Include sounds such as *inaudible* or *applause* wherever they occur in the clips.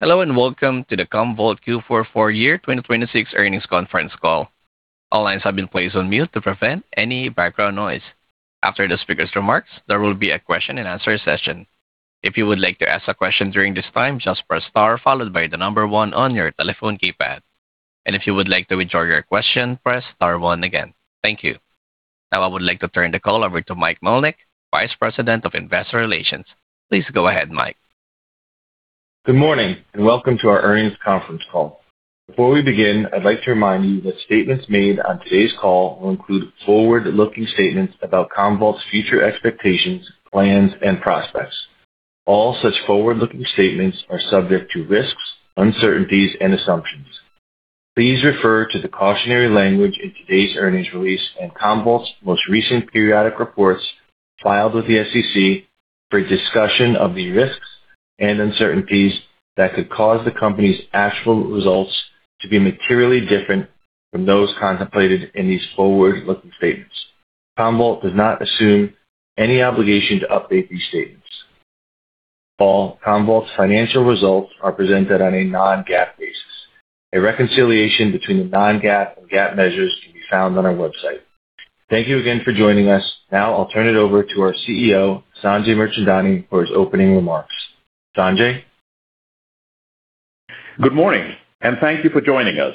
Hello, welcome to the Commvault Q4 for year 2026 earnings conference call. After the speaker's remarks, there will be a question and answer session. If you would like to ask a question during this time, just press star followed by one on your telephone keypad. If you would like to withdraw your question, press star one again. Thank you. Now I would like to turn the call over to Michael Melnyk, Vice President of Investor Relations. Please go ahead, Mike. Good morning, and welcome to our earnings conference call. Before we begin, I'd like to remind you that statements made on today's call will include forward-looking statements about Commvault's future expectations, plans, and prospects. All such forward-looking statements are subject to risks, uncertainties, and assumptions. Please refer to the cautionary language in today's earnings release and Commvault's most recent periodic reports filed with the SEC for a discussion of the risks and uncertainties that could cause the company's actual results to be materially different from those contemplated in these forward-looking statements. Commvault does not assume any obligation to update these statements. All Commvault's financial results are presented on a non-GAAP basis. A reconciliation between the non-GAAP and GAAP measures can be found on our website. Thank you again for joining us. I'll turn it over to our CEO, Sanjay Mirchandani, for his opening remarks. Sanjay. Good morning, and thank you for joining us.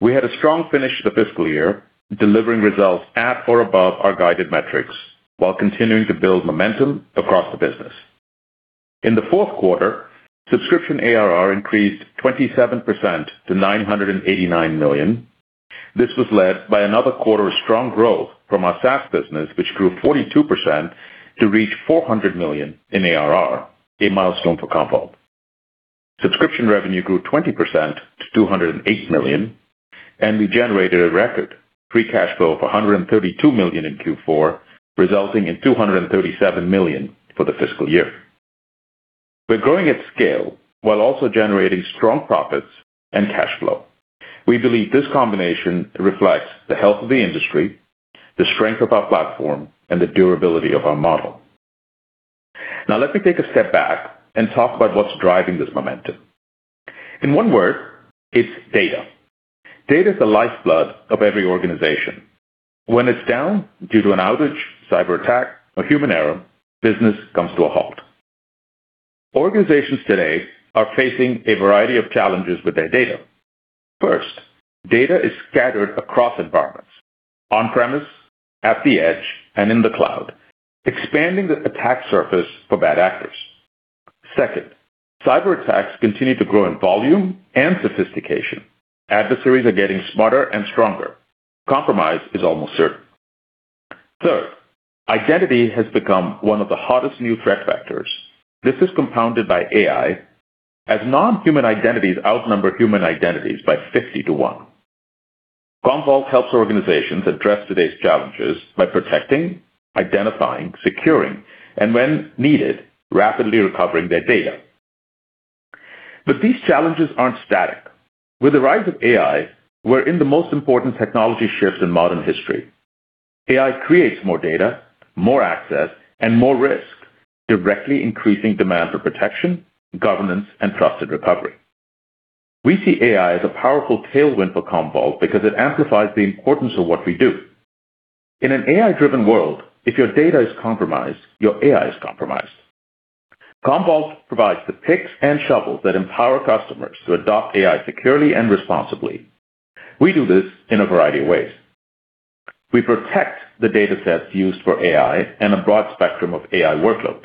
We had a strong finish to the fiscal year, delivering results at or above our guided metrics while continuing to build momentum across the business. In the fourth quarter, subscription ARR increased 27% to $989 million. This was led by another quarter of strong growth from our SaaS business, which grew 42% to reach $400 million in ARR, a milestone for Commvault. Subscription revenue grew 20% to $208 million, and we generated a record free cash flow of $132 million in Q4, resulting in $237 million for the fiscal year. We're growing at scale while also generating strong profits and cash flow. We believe this combination reflects the health of the industry, the strength of our platform, and the durability of our model. Now, let me take a step back and talk about what's driving this momentum. In one word, it's data. Data is the lifeblood of every organization. When it's down due to an outage, cyberattack, or human error, business comes to a halt. Organizations today are facing a variety of challenges with their data. First, data is scattered across environments, on-premise, at the edge, and in the cloud, expanding the attack surface for bad actors. Second, cyberattacks continue to grow in volume and sophistication. Adversaries are getting smarter and stronger. Compromise is almost certain. Third, identity has become one of the hottest new threat vectors. This is compounded by AI as non-human identities outnumber human identities by 50 to one. Commvault helps organizations address today's challenges by protecting, identifying, securing, and when needed, rapidly recovering their data. These challenges aren't static. With the rise of AI, we're in the most important technology shift in modern history. AI creates more data, more access, and more risk, directly increasing demand for protection, governance, and trusted recovery. We see AI as a powerful tailwind for Commvault because it amplifies the importance of what we do. In an AI-driven world, if your data is compromised, your AI is compromised. Commvault provides the picks and shovels that empower customers to adopt AI securely and responsibly. We do this in a variety of ways. We protect the datasets used for AI and a broad spectrum of AI workloads.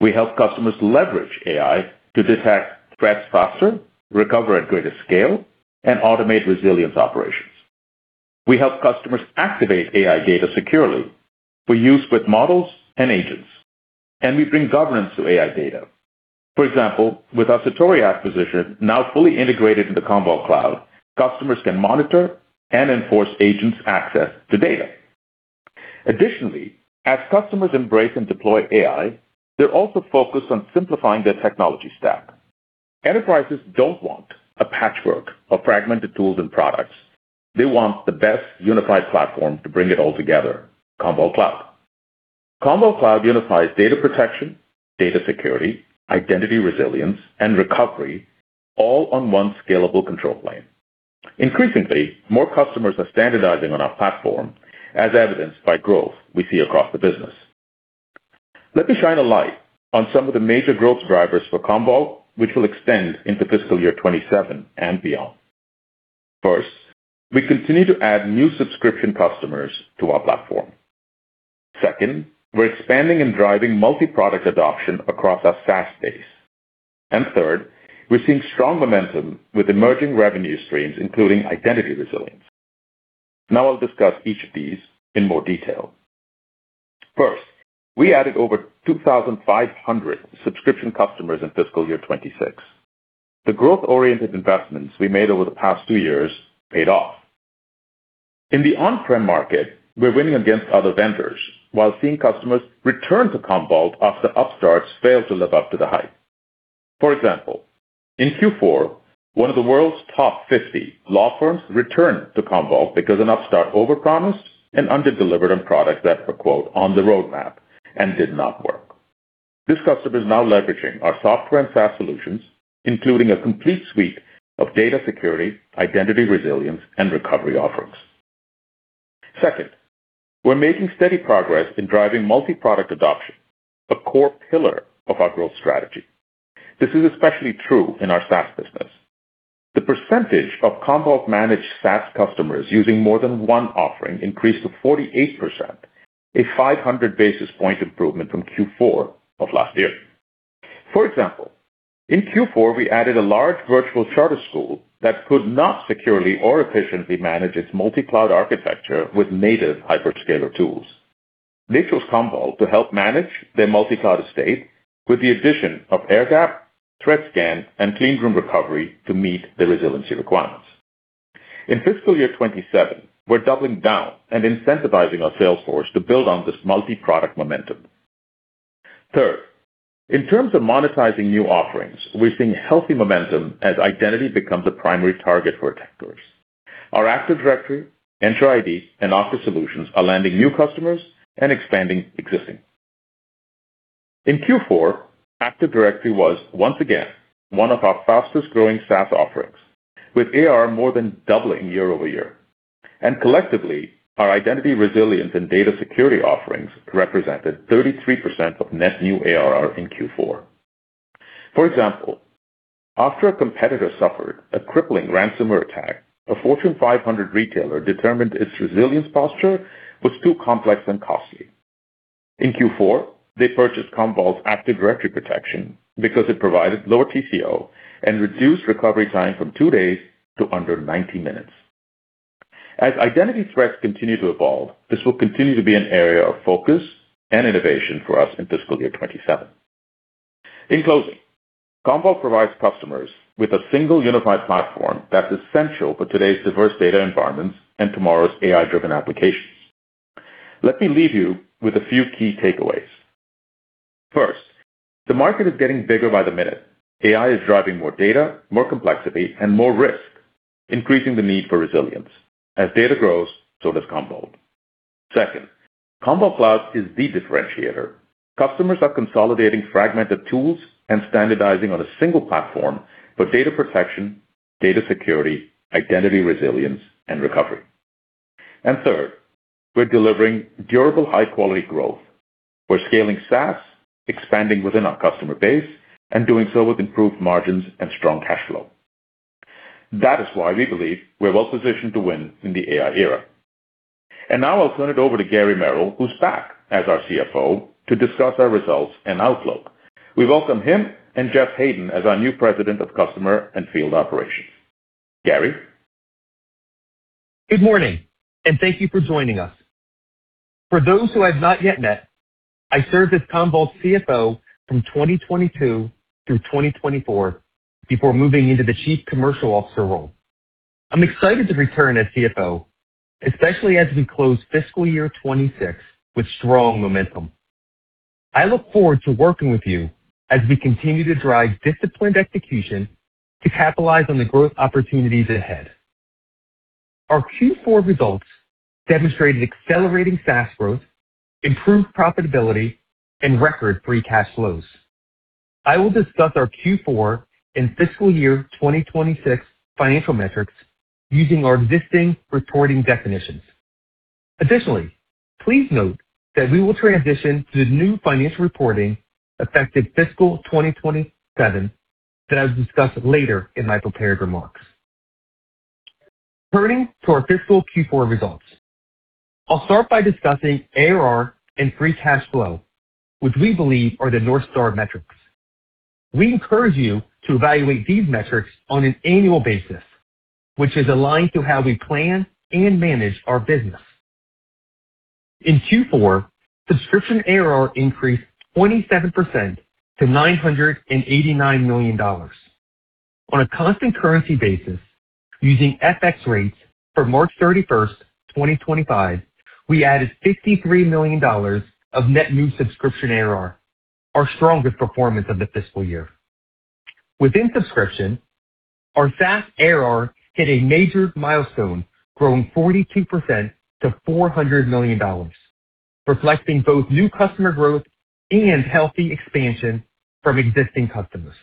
We help customers leverage AI to detect threats faster, recover at greater scale, and automate resilience operations. We help customers activate AI data securely for use with models and agents, and we bring governance to AI data. For example, with our Satori acquisition now fully integrated into Commvault Cloud, customers can monitor and enforce agents' access to data. Additionally, as customers embrace and deploy AI, they're also focused on simplifying their technology stack. Enterprises don't want a patchwork of fragmented tools and products. They want the best unified platform to bring it all together, Commvault Cloud. Commvault Cloud unifies data protection, data security, identity resilience, and recovery all on one scalable control plane. Increasingly, more customers are standardizing on our platform as evidenced by growth we see across the business. Let me shine a light on some of the major growth drivers for Commvault, which will extend into fiscal year 2027 and beyond. First, we continue to add new subscription customers to our platform. Second, we're expanding and driving multi-product adoption across our SaaS base. Third, we're seeing strong momentum with emerging revenue streams, including identity resilience. Now I'll discuss each of these in more detail. First, we added over 2,500 subscription customers in fiscal year 2026. The growth-oriented investments we made over the past two years paid off. In the on-prem market, we're winning against other vendors while seeing customers return to Commvault after upstarts fail to live up to the hype. For example, in Q4, one of the world's top 50 law firms returned to Commvault because an upstart overpromised and underdelivered on products that were quote on the roadmap and did not work. This customer is now leveraging our software and SaaS solutions, including a complete suite of data security, identity resilience, and recovery offerings. Second, we're making steady progress in driving multi-product adoption, a core pillar of our growth strategy. This is especially true in our SaaS business. The percentage of Commvault managed SaaS customers using more than one offering increased to 48%, a 500 basis point improvement from Q4 of last year. For example, in Q4, we added a large virtual charter school that could not securely or efficiently manage its multi-cloud architecture with native hyperscaler tools. They chose Commvault to help manage their multi-cloud estate with the addition of Air Gap, Threat Scan, and Cleanroom Recovery to meet their resiliency requirements. In fiscal year 2027, we're doubling down and incentivizing our sales force to build on this multi-product momentum. In terms of monetizing new offerings, we're seeing healthy momentum as identity becomes a primary target for attackers. Our Active Directory, Entra ID, and Office solutions are landing new customers and expanding existing. In Q4, Active Directory was once again one of our fastest-growing SaaS offerings, with ARR more than doubling year-over-year. Collectively, our identity resilience and data security offerings represented 33% of net new ARR in Q4. For example, after a competitor suffered a crippling ransomware attack, a Fortune 500 retailer determined its resilience posture was too complex and costly. In Q4, they purchased Commvault's Active Directory Protection because it provided lower TCO and reduced recovery time from two days to under 90 minutes. As identity threats continue to evolve, this will continue to be an area of focus and innovation for us in fiscal year 2027. In closing, Commvault provides customers with a single unified platform that's essential for today's diverse data environments and tomorrow's AI-driven applications. Let me leave you with a few key takeaways. First, the market is getting bigger by the minute. AI is driving more data, more complexity, and more risk, increasing the need for resilience. As data grows, so does Commvault. Second, Commvault Cloud is the differentiator. Customers are consolidating fragmented tools and standardizing on a single platform for data protection, data security, identity resilience, and recovery. Third, we're delivering durable high-quality growth. We're scaling SaaS, expanding within our customer base, and doing so with improved margins and strong cash flow. That is why we believe we're well-positioned to win in the AI era. Now I'll turn it over to Gary Merrill, who's back as our CFO, to discuss our results and outlook. We welcome him and Geoff Haydon as our new President of Customer and Field Operations. Gary. Good morning, and thank you for joining us. For those who I've not yet met, I served as Commvault's CFO from 2022 through 2024 before moving into the Chief Commercial Officer role. I'm excited to return as CFO, especially as we close fiscal year 2026 with strong momentum. I look forward to working with you as we continue to drive disciplined execution to capitalize on the growth opportunities ahead. Our Q4 results demonstrated accelerating SaaS growth, improved profitability, and record free cash flows. I will discuss our Q4 and fiscal year 2026 financial metrics using our existing reporting definitions. Additionally, please note that we will transition to the new financial reporting effective fiscal 2027 that I'll discuss later in my prepared remarks. Turning to our fiscal Q4 results. I'll start by discussing ARR and free cash flow, which we believe are the North Star metrics. We encourage you to evaluate these metrics on an annual basis, which is aligned to how we plan and manage our business. In Q4, subscription ARR increased 27% to $989 million. On a constant currency basis, using FX rates for March 31st, 2025, we added $53 million of net new subscription ARR, our strongest performance of the fiscal year. Within subscription, our SaaS ARR hit a major milestone, growing 42% to $400 million, reflecting both new customer growth and healthy expansion from existing customers.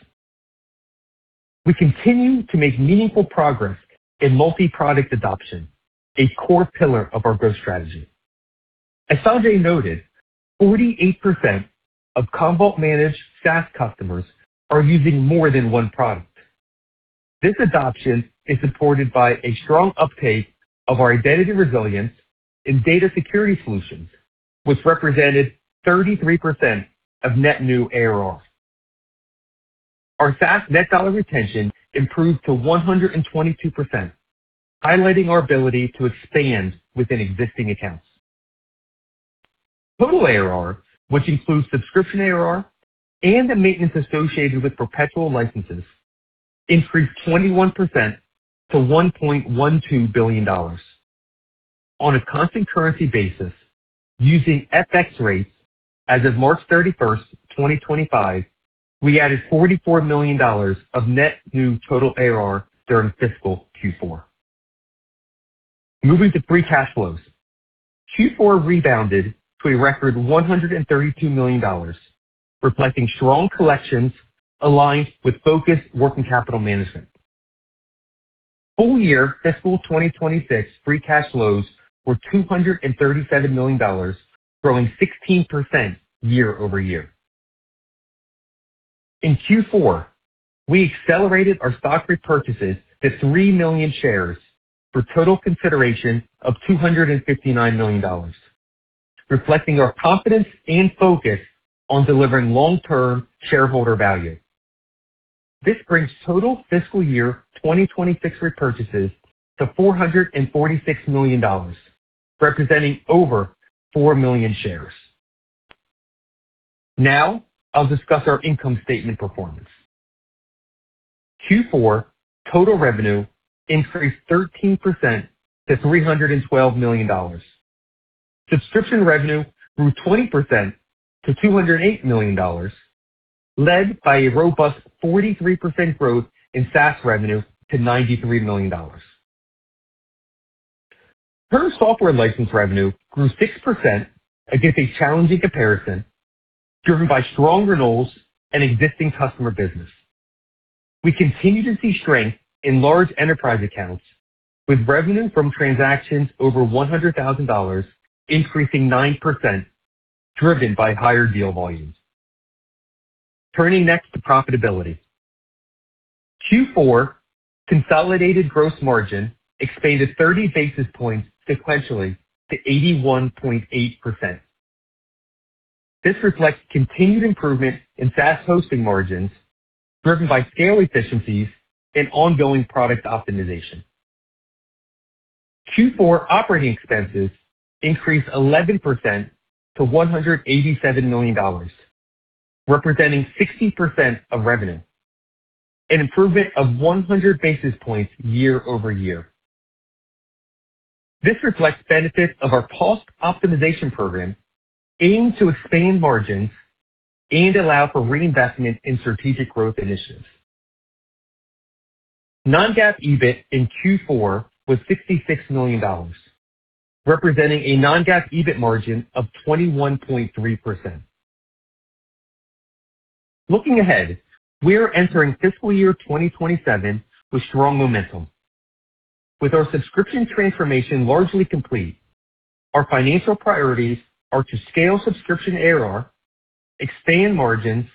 We continue to make meaningful progress in multi-product adoption, a core pillar of our growth strategy. As Sanjay noted, 48% of Commvault managed SaaS customers are using more than one product. This adoption is supported by a strong uptake of our identity resilience and data security solutions, which represented 33% of net new ARR. Our SaaS net dollar retention improved to 122%, highlighting our ability to expand within existing accounts. Total ARR, which includes subscription ARR and the maintenance associated with perpetual licenses, increased 21% to $1.12 billion. On a constant currency basis, using FX rates as of March 31st, 2025, we added $44 million of net new total ARR during fiscal Q4. Moving to free cash flows. Q4 rebounded to a record $132 million, reflecting strong collections aligned with focused working capital management. Full year fiscal 2026 free cash flows were $237 million, growing 16% year-over-year. In Q4, we accelerated our stock repurchases to 3 million shares for total consideration of $259 million, reflecting our confidence and focus on delivering long-term shareholder value. This brings total FY 2026 repurchases to $446 million, representing over 4 million shares. I'll discuss our income statement performance. Q4 total revenue increased 13% to $312 million. Subscription revenue grew 20% to $208 million, led by a robust 43% growth in SaaS revenue to $93 million. Term software license revenue grew 6% against a challenging comparison driven by strong renewals and existing customer business. We continue to see strength in large enterprise accounts with revenue from transactions over $100,000 increasing 9%, driven by higher deal volumes. Turning next to profitability. Q4 consolidated gross margin expanded 30 basis points sequentially to 81.8%. This reflects continued improvement in SaaS hosting margins driven by scale efficiencies and ongoing product optimization. Q4 operating expenses increased 11% to $187 million, representing 60% of revenue, an improvement of 100 basis points year-over-year. This reflects benefits of our pulse optimization program aimed to expand margins and allow for reinvestment in strategic growth initiatives. Non-GAAP EBIT in Q4 was $66 million, representing a non-GAAP EBIT margin of 21.3%. Looking ahead, we are entering fiscal year 2027 with strong momentum. With our subscription transformation largely complete, our financial priorities are to scale subscription ARR, expand margins,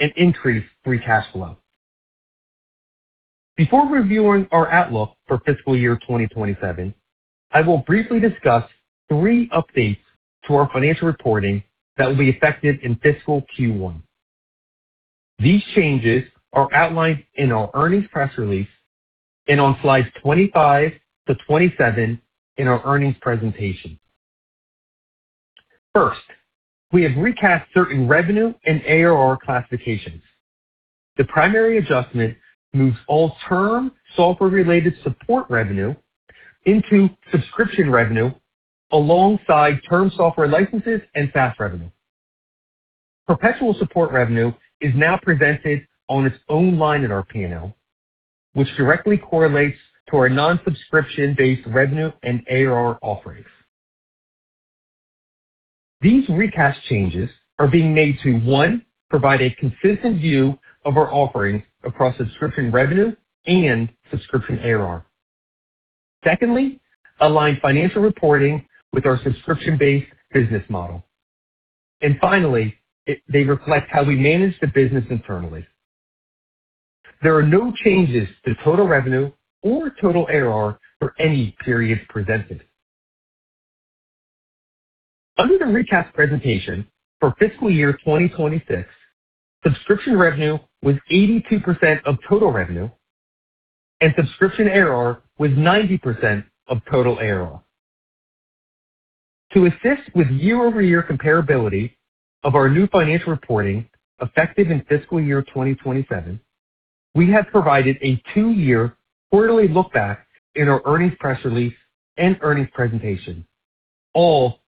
and increase free cash flow. Before reviewing our outlook for fiscal year 2027, I will briefly discuss three updates to our financial reporting that will be effective in fiscal Q1. These changes are outlined in our earnings press release and on slides 25 to 27 in our earnings presentation. First, we have recast certain revenue and ARR classifications. The primary adjustment moves all term software-related support revenue into subscription revenue alongside term software licenses and SaaS revenue. Perpetual support revenue is now presented on its own line in our P&L, which directly correlates to our non-subscription-based revenue and ARR offerings. These recast changes are being made to, one, provide a consistent view of our offerings across subscription revenue and subscription ARR. Secondly, align financial reporting with our subscription-based business model. Finally, they reflect how we manage the business internally. There are no changes to total revenue or total ARR for any periods presented. Under the recast presentation for fiscal year 2026, subscription revenue was 82% of total revenue and subscription ARR was 90% of total ARR. To assist with year-over-year comparability of our new financial reporting effective in fiscal year 2027, we have provided a two-year quarterly look-back in our earnings press release and earnings presentation, all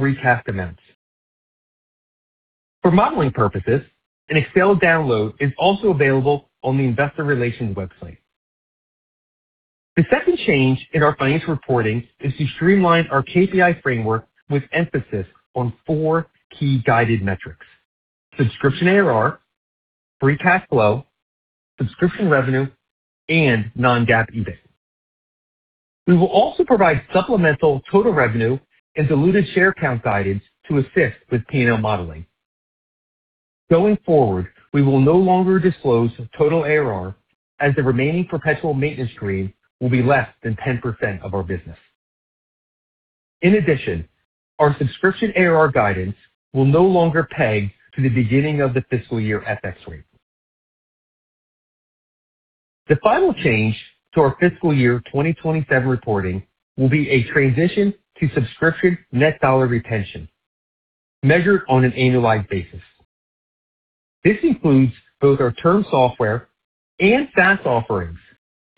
recast amounts. For modeling purposes, an Excel download is also available on the investor relations website. The second change in our financial reporting is to streamline our KPI framework with emphasis on four key guided metrics: subscription ARR, free cash flow, subscription revenue, and non-GAAP EBIT. We will also provide supplemental total revenue and diluted share count guidance to assist with P&L modeling. Going forward, we will no longer disclose total ARR as the remaining perpetual maintenance stream will be less than 10% of our business. In addition, our subscription ARR guidance will no longer peg to the beginning of the fiscal year FX rate. The final change to our fiscal year 2027 reporting will be a transition to subscription net dollar retention measured on an annualized basis. This includes both our term software and SaaS offerings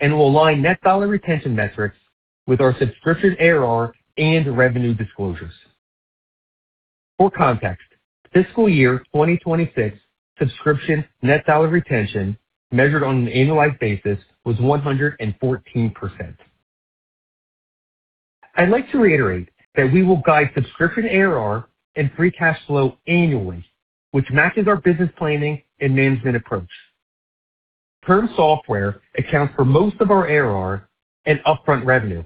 and will align net dollar retention metrics with our subscription ARR and revenue disclosures. For context, fiscal year 2026 subscription net dollar retention measured on an annualized basis was 114%. I'd like to reiterate that we will guide subscription ARR and free cash flow annually, which matches our business planning and management approach. Term software accounts for most of our ARR and upfront revenue.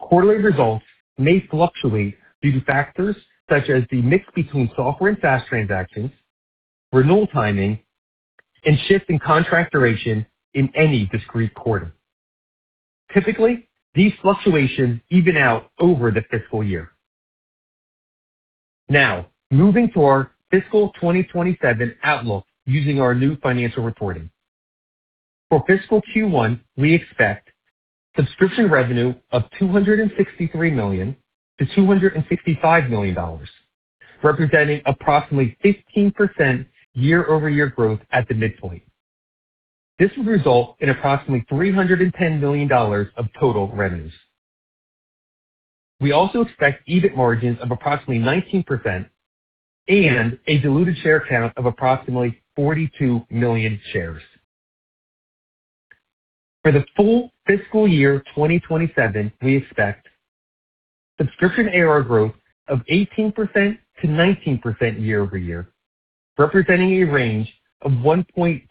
Quarterly results may fluctuate due to factors such as the mix between software and SaaS transactions, renewal timing, and shift in contract duration in any discrete quarter. Typically, these fluctuations even out over the fiscal year. Moving to our fiscal 2027 outlook using our new financial reporting. For fiscal Q1, we expect subscription revenue of $263 million-$265 million, representing approximately 15% year-over-year growth at the midpoint. This would result in approximately $310 million of total revenues. We also expect EBIT margins of approximately 19% and a diluted share count of approximately 42 million shares. For the full fiscal year 2027, we expect subscription ARR growth of 18%-19% year-over-year, representing a range of $1.20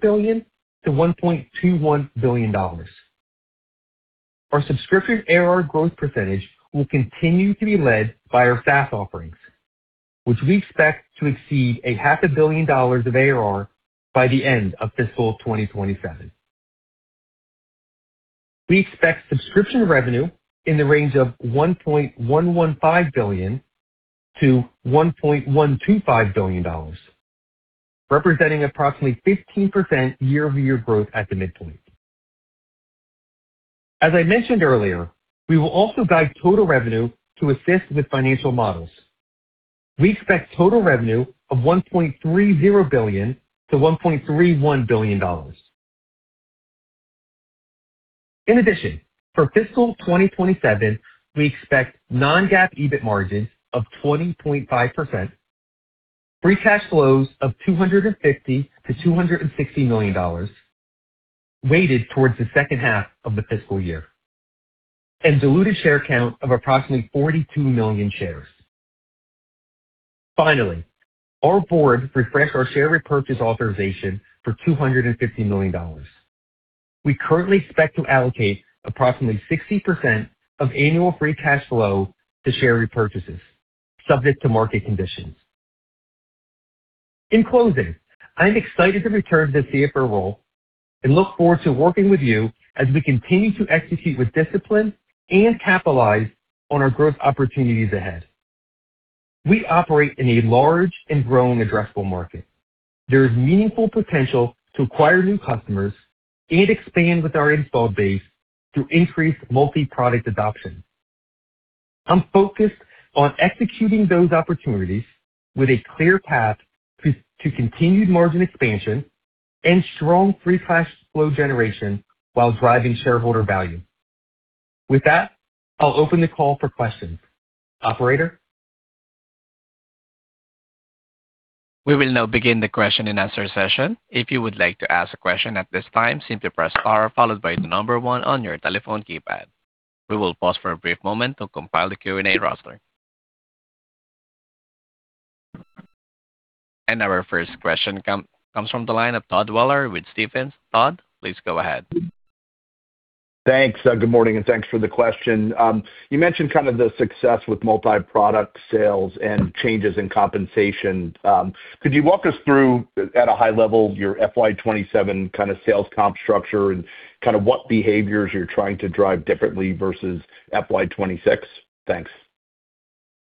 billion-$1.21 billion. Our subscription ARR growth percentage will continue to be led by our SaaS offerings, which we expect to exceed a $0.5 billion of ARR by the end of fiscal 2027. We expect subscription revenue in the range of $1.115 billion-$1.125 billion, representing approximately 15% year-over-year growth at the midpoint. As I mentioned earlier, we will also guide total revenue to assist with financial models. We expect total revenue of $1.30 billion-$1.31 billion. In addition, for fiscal 2027, we expect non-GAAP EBIT margin of 20.5%, free cash flows of $250 million-$260 million weighted towards the second half of the fiscal year, and diluted share count of approximately 42 million shares. Finally, our board refreshed our share repurchase authorization for $250 million. We currently expect to allocate approximately 60% of annual free cash flow to share repurchases, subject to market conditions. In closing, I am excited to return to the CFO role and look forward to working with you as we continue to execute with discipline and capitalize on our growth opportunities ahead. We operate in a large and growing addressable market. There is meaningful potential to acquire new customers and expand with our installed base through increased multi-product adoption. I'm focused on executing those opportunities with a clear path to continued margin expansion and strong free cash flow generation while driving shareholder value. With that, I'll open the call for questions. Operator? We will now begin the question-and-answer session. If you would like to ask a question at this time, simply press star followed by the number one on your telephone keypad. We will pause for a brief moment to compile the Q&A roster. Our first question comes from the line of Todd Weller with Stephens. Todd, please go ahead. Thanks. Good morning, and thanks for the question. You mentioned kind of the success with multi-product sales and changes in compensation. Could you walk us through, at a high level, your FY 2027 kinda sales comp structure and kinda what behaviors you're trying to drive differently versus FY 2026? Thanks.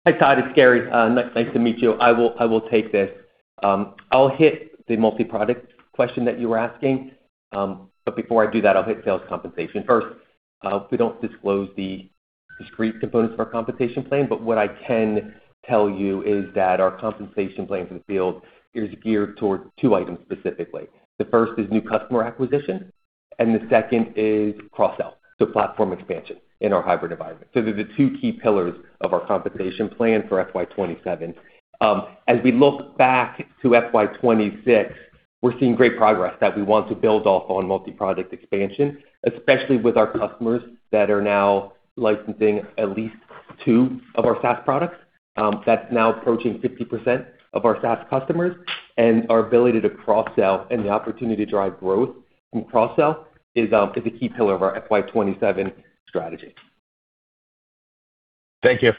Hi, Todd. It's Gary. Nice to meet you. I will take this. I'll hit the multi-product question that you were asking. Before I do that, I'll hit sales compensation first. We don't disclose the discrete components of our compensation plan, but what I can tell you is that our compensation plan for the field is geared towards two items specifically. The first is new customer acquisition, and the second is cross-sell, so platform expansion in our hybrid environment. They're the two key pillars of our compensation plan for FY 2027. As we look back to FY 2026, we're seeing great progress that we want to build off on multi-product expansion, especially with our customers that are now licensing at least two of our SaaS products. That's now approaching 50% of our SaaS customers and our ability to cross-sell and the opportunity to drive growth from cross-sell is a key pillar of our FY 2027 strategy. Thank you.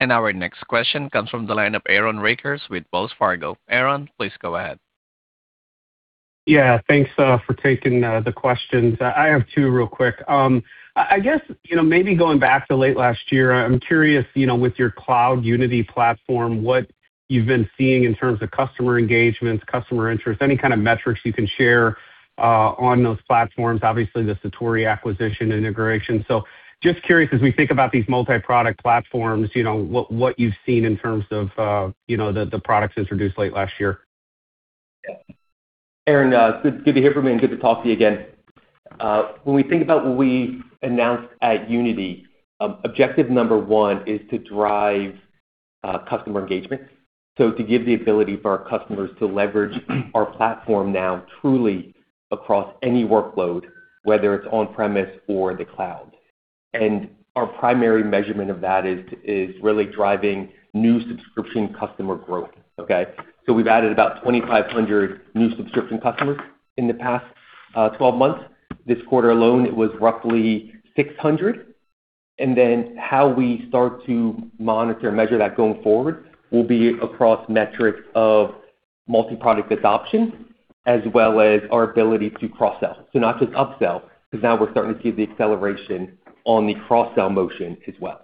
Our next question comes from the line of Aaron Rakers with Wells Fargo. Aaron, please go ahead. Yeah, thanks for taking the questions. I have two real quick. I guess, you know, maybe going back to late last year, I'm curious, you know, with your Cloud Unity platform, what you've been seeing in terms of customer engagements, customer interest, any kind of metrics you can share on those platforms, obviously the Satori acquisition integration? Just curious, as we think about these multi-product platforms, you know, what you've seen in terms of, you know, the products introduced late last year? Aaron, good to hear from you and good to talk to you again. When we think about what we announced at Unity, objective number one is to drive customer engagement. To give the ability for our customers to leverage our platform now truly across any workload, whether it's on-premise or the cloud. Our primary measurement of that is really driving new subscription customer growth. Okay? We've added about 2,500 new subscription customers in the past 12 months. This quarter alone, it was roughly 600. How we start to monitor and measure that going forward will be across metrics of multi-product adoption as well as our ability to cross-sell. Not just up-sell, because now we're starting to see the acceleration on the cross-sell motion as well.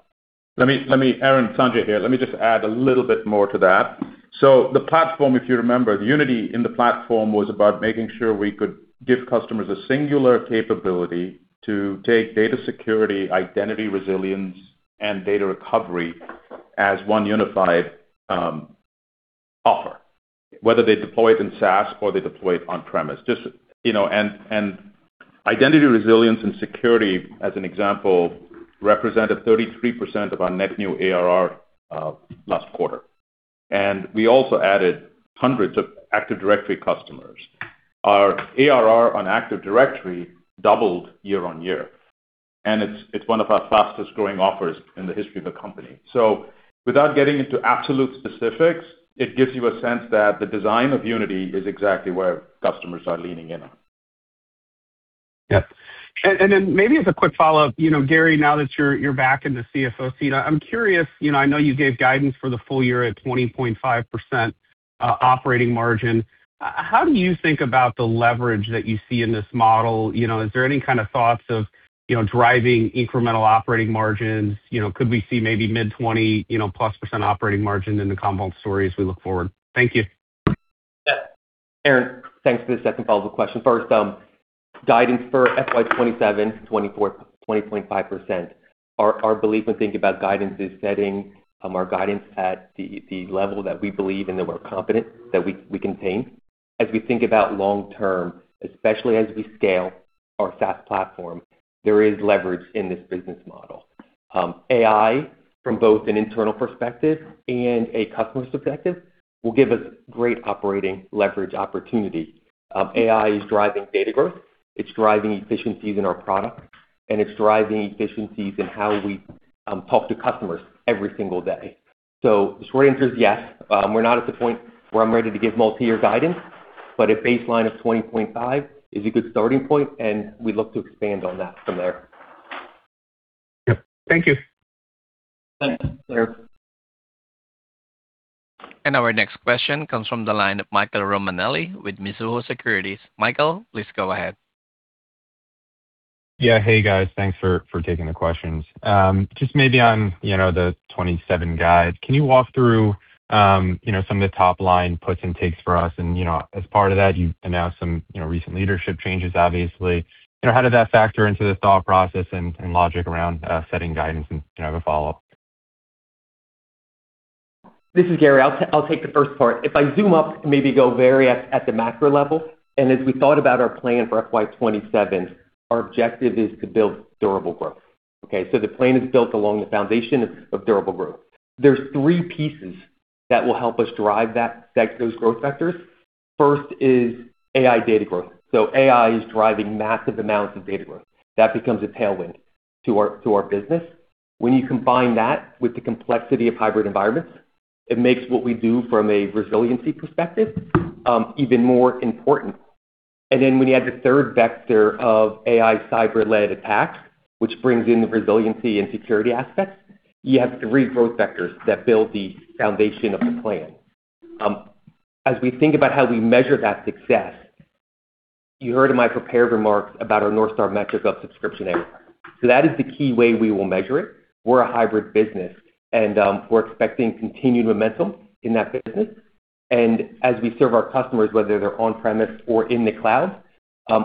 Aaron, Sanjay here. Let me just add a little bit more to that. The platform, if you remember, the Unity in the platform was about making sure we could give customers a singular capability to take data security, identity resilience, and data recovery as one unified offer, whether they deploy it in SaaS or they deploy it on-premise. You know, identity resilience and security, as an example, represented 33% of our net new ARR last quarter. We also added hundreds of Active Directory customers. Our ARR on Active Directory doubled year-on-year, and it's one of our fastest-growing offers in the history of the company. Without getting into absolute specifics, it gives you a sense that the design of Unity is exactly where customers are leaning in on. Yeah. Then maybe as a quick follow-up, you know, Gary, now that you're back in the CFO seat, I'm curious, you know, I know you gave guidance for the full year at 20.5% operating margin. How do you think about the leverage that you see in this model? You know, is there any kind of thoughts of, you know, driving incremental operating margins? You know, could we see maybe mid-20, you know, plus % operating margin in the Commvault story as we look forward? Thank you. Aaron, thanks for the second follow-up question. First, guidance for FY 2027, 20.5%. Our belief when thinking about guidance is setting our guidance at the level that we believe and that we're confident that we can tame. As we think about long-term, especially as we scale our SaaS platform, there is leverage in this business model. AI, from both an internal perspective and a customer perspective, will give us great operating leverage opportunity. AI is driving data growth, it's driving efficiencies in our product, and it's driving efficiencies in how we talk to customers every single day. The short answer is yes. We're not at the point where I'm ready to give multi-year guidance, but a baseline of 20.5 is a good starting point, and we look to expand on that from there. Yeah. Thank you. Thanks, Aaron. Our next question comes from the line of Michael Romanelli with Mizuho Securities. Michael, please go ahead. Hey, guys. Thanks for taking the questions. Just maybe on, you know, the 27 guide. Can you walk through, you know, some of the top line puts and takes for us? You know, as part of that, you've announced some, you know, recent leadership changes, obviously. You know, how did that factor into the thought process and logic around setting guidance? Can I have a follow-up? This is Gary. I'll take the first part. If I zoom up to maybe go very at the macro level, as we thought about our plan for FY 2027, our objective is to build durable growth. Okay? The plan is built along the foundation of durable growth. There's three pieces that will help us drive those growth vectors. First is AI data growth. AI is driving massive amounts of data growth. That becomes a tailwind to our business. When you combine that with the complexity of hybrid environments, it makes what we do from a resiliency perspective even more important. When you add the third vector of AI cyber-led attacks, which brings in the resiliency and security aspects, you have three growth vectors that build the foundation of the plan. As we think about how we measure that success, you heard in my prepared remarks about our North Star metric of subscription ARR. That is the key way we will measure it. We're a hybrid business and we're expecting continued momentum in that business. As we serve our customers, whether they're on-premise or in the cloud,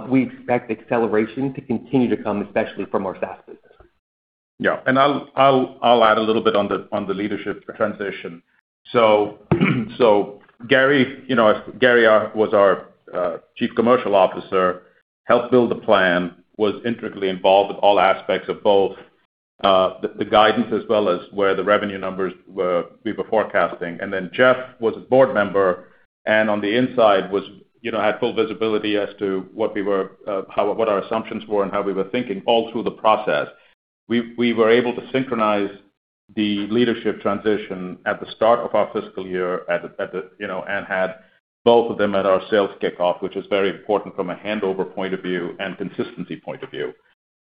we expect acceleration to continue to come, especially from our SaaS business. Yeah. I'll add a little bit on the leadership transition. Gary, you know, as Gary was our Chief Commercial Officer, helped build the plan, was intricately involved with all aspects of both the guidance as well as where the revenue numbers we were forecasting. Geoff was a board member, and on the inside was, you know, had full visibility as to what we were, how, what our assumptions were and how we were thinking all through the process. We were able to synchronize the leadership transition at the start of our fiscal year at the, you know, and had both of them at our sales kickoff, which is very important from a handover point of view and consistency point of view.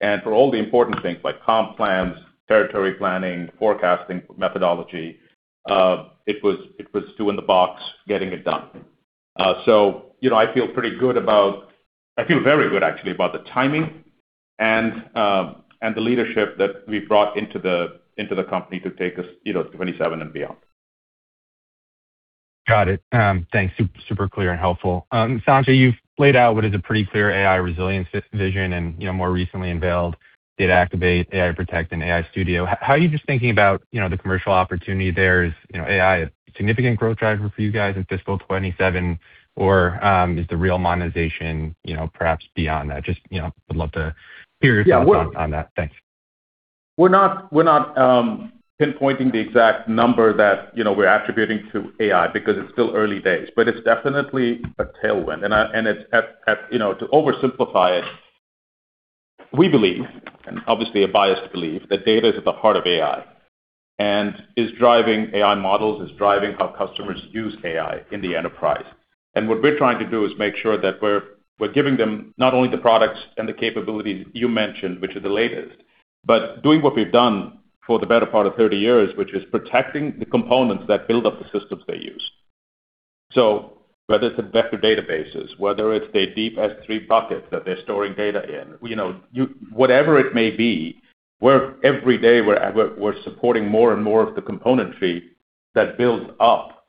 For all the important things like comp plans, territory planning, forecasting methodology, it was two in the box getting it done. You know, I feel pretty good about. I feel very good actually about the timing and the leadership that we brought into the company to take us, you know, to 27 and beyond. Got it. Thanks. Super clear and helpful. Sanjay, you've laid out what is a pretty clear AI resilience vision and, you know, more recently unveiled Data Activate, AI Protect, and AI Studio. How are you just thinking about, you know, the commercial opportunity there? Is, you know, AI a significant growth driver for you guys in FY 2027 or is the real monetization, you know, perhaps beyond that? Just, you know, would love to hear your thoughts on that. Thanks. We're not pinpointing the exact number that, you know, we're attributing to AI because it's still early days, but it's definitely a tailwind. It's at, you know, to oversimplify it, we believe, and obviously a biased belief, that data is at the heart of AI and is driving AI models, is driving how customers use AI in the enterprise. What we're trying to do is make sure that we're giving them not only the products and the capabilities you mentioned, which are the latest, but doing what we've done for the better part of 30 years, which is protecting the components that build up the systems they use. Whether it's the vector databases, whether it's their deep S3 buckets that they're storing data in, you know, whatever it may be, we're every day we're supporting more and more of the componentry that builds up,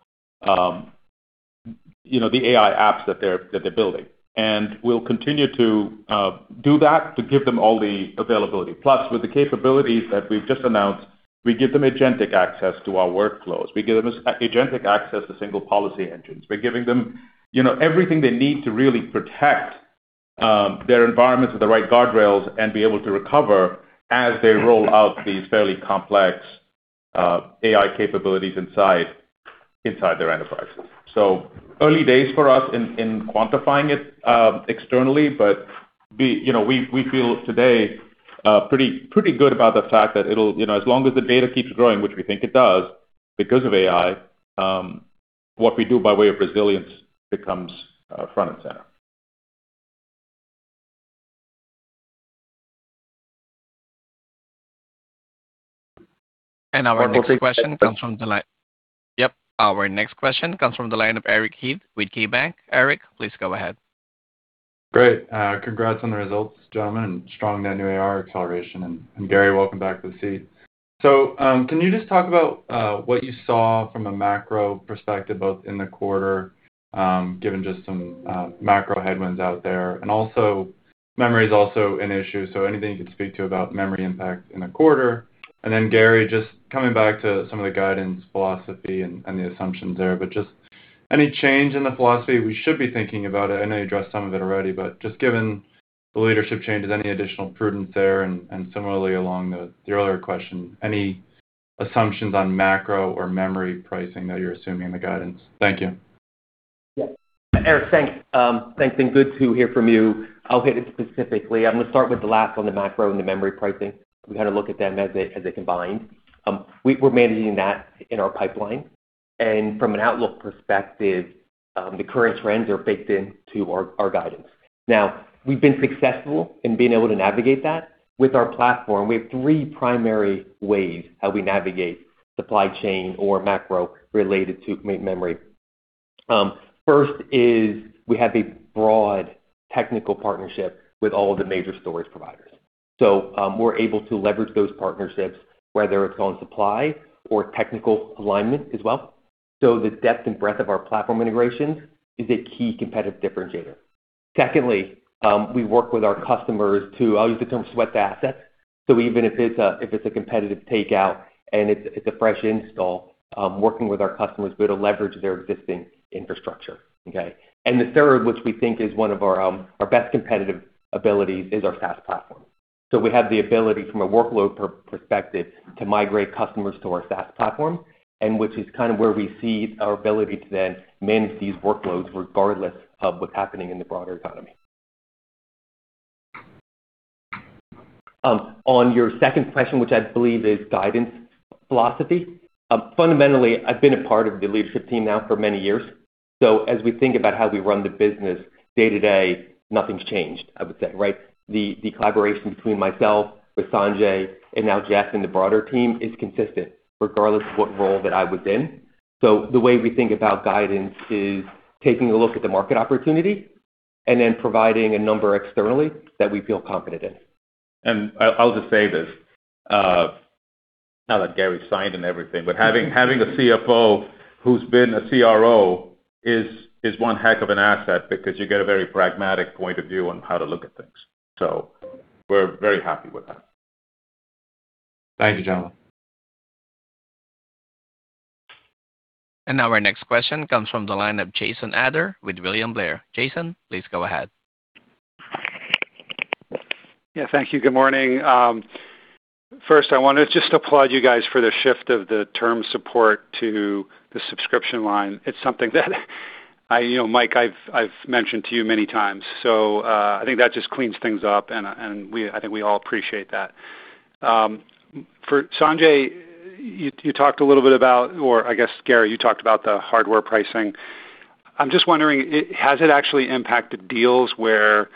you know, the AI apps that they're building. We'll continue to do that to give them all the availability. Plus, with the capabilities that we've just announced, we give them agentic access to our workflows. We give them agentic access to single policy engines. We're giving them, you know, everything they need to really protect their environments with the right guardrails and be able to recover as they roll out these fairly complex AI capabilities inside their enterprises. Early days for us in quantifying it externally, but we, you know, we feel today pretty good about the fact that it'll, you know, as long as the data keeps growing, which we think it does because of AI, what we do by way of resilience becomes front and center. Our next question comes from the line of Eric Heath with KeyBanc. Eric, please go ahead. Great. Congrats on the results, gentlemen, strong net new ARR acceleration. Gary, welcome back to the seat. Can you just talk about what you saw from a macro perspective, both in the quarter, given just some macro headwinds out there? Also memory is also an issue, so anything you could speak to about memory impact in the quarter. Gary, just coming back to some of the guidance philosophy and the assumptions there, just any change in the philosophy we should be thinking about? I know you addressed some of it already, just given the leadership changes, any additional prudence there? Similarly along your other question, any assumptions on macro or memory pricing that you're assuming in the guidance? Thank you. Yeah. Eric, thanks. Thanks, and good to hear from you. I'm going to start with the last on the macro and the memory pricing. We kind of look at them as a combined. We're managing that in our pipeline. From an outlook perspective, the current trends are baked into our guidance. Now, we've been successful in being able to navigate that with our platform. We have three primary ways how we navigate supply chain or macro related to memory. First is we have a broad technical partnership with all of the major storage providers. We're able to leverage those partnerships, whether it's on supply or technical alignment as well. The depth and breadth of our platform integrations is a key competitive differentiator. Secondly, we work with our customers to, I'll use the term sweat the asset. Even if it's a, if it's a competitive takeout and it's a fresh install, working with our customers, we're able to leverage their existing infrastructure. Okay. The third, which we think is one of our best competitive abilities, is our SaaS platform. We have the ability from a workload perspective to migrate customers to our SaaS platform, and which is kind of where we see our ability to then manage these workloads regardless of what's happening in the broader economy. On your second question, which I believe is guidance philosophy, fundamentally, I've been a part of the leadership team now for many years. As we think about how we run the business day-to-day, nothing's changed, I would say, right? The collaboration between myself with Sanjay and now Geoff and the broader team is consistent regardless of what role that I was in. The way we think about guidance is taking a look at the market opportunity and then providing a number externally that we feel confident in. I'll just say this, now that Gary's signed and everything, having a CFO who's been a CRO is one heck of an asset because you get a very pragmatic point of view on how to look at things. We're very happy with that. Thank you, gentlemen. Now our next question comes from the line of Jason Ader with William Blair. Jason, please go ahead. Yeah. Thank you. Good morning. First I want to just applaud you guys for the shift of the term support to the subscription line. It's something that I, you know, Mike, I've mentioned to you many times. I think that just cleans things up and I think we all appreciate that. For Sanjay, you talked a little bit about or I guess, Gary, you talked about the hardware pricing. I'm just wondering, has it actually impacted deals where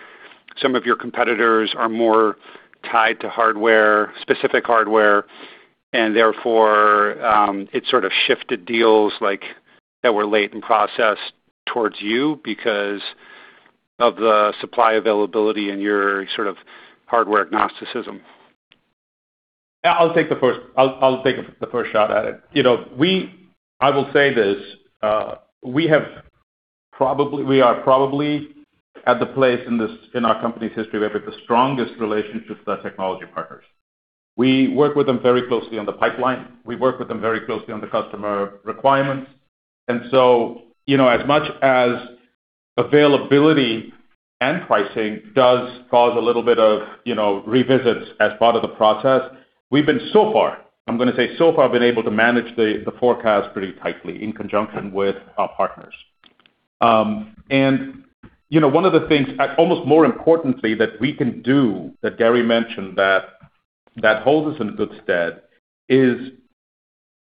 some of your competitors are more tied to hardware, specific hardware, and therefore, it sort of shifted deals like that were late in process towards you because of the supply availability and your sort of hardware agnosticism? Yeah, I'll take the first shot at it. You know, I will say this, we are probably at the place in our company's history where we have the strongest relationships with our technology partners. We work with them very closely on the pipeline. We work with them very closely on the customer requirements. You know, as much as availability and pricing does cause a little bit of, you know, revisits as part of the process, we've been so far been able to manage the forecast pretty tightly in conjunction with our partners. You know, one of the things, almost more importantly, that we can do that Gary mentioned that holds us in good stead is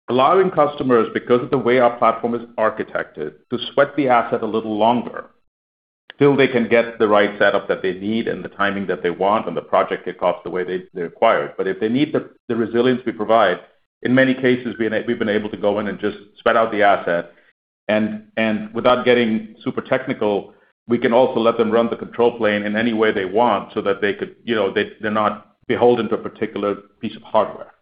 allowing customers because of the way our platform is architected, to sweat the asset a little longer till they can get the right setup that they need and the timing that they want and the project kickoff the way they require. If they need the resilience we provide, in many cases, we've been able to go in and just sweat out the asset, and without getting super technical, we can also let them run the control plane in any way they want so that they could, you know, they're not beholden to a particular piece of hardware.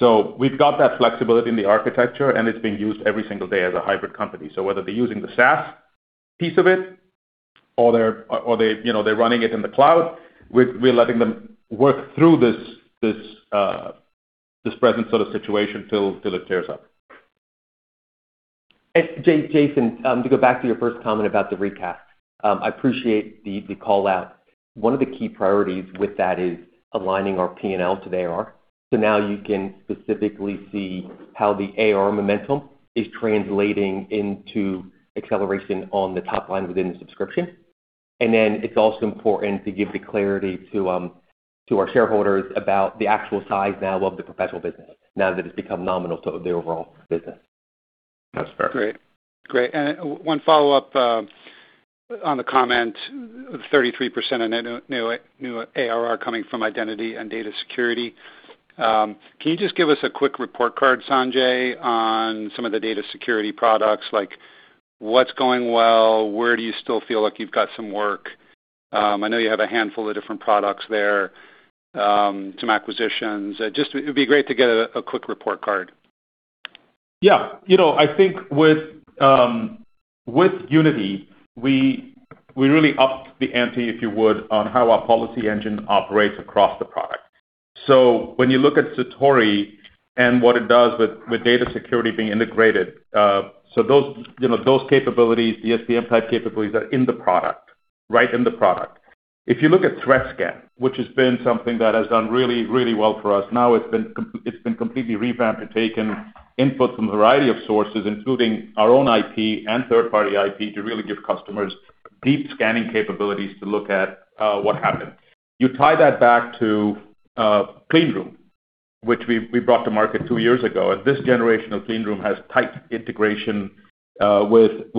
We've got that flexibility in the architecture, and it's being used every single day as a hybrid company. Whether they're using the SaaS piece of it or they, you know, they're running it in the cloud, we're letting them work through this present sort of situation till it clears up. Jason, to go back to your first comment about the recap, I appreciate the call-out. One of the key priorities with that is aligning our P&L to AR. Now you can specifically see how the AR momentum is translating into acceleration on the top line within the subscription. Then it's also important to give the clarity to our shareholders about the actual size now of the professional business now that it's become nominal to the overall business. That's fair. Great. Great. One follow-up, on the comment, 33% of net new ARR coming from identity and data security. Can you just give us a quick report card, Sanjay, on some of the data security products, like what's going well? Where do you still feel like you've got some work? I know you have a handful of different products there, some acquisitions. Just it'd be great to get a quick report card. Yeah. You know, I think with Unity, we really upped the ante, if you would, on how our policy engine operates across the product. When you look at Satori and what it does with data security being integrated, those, you know, those capabilities, the DSPM type capabilities are in the product, right in the product. If you look at Threat Scan, which has been something that has done really well for us, now it's been completely revamped. We've taken input from a variety of sources, including our own IP and third-party IP, to really give customers deep scanning capabilities to look at what happened. You tie that back to Cleanroom, which we brought to market two years ago, and this generation of Cleanroom has tight integration with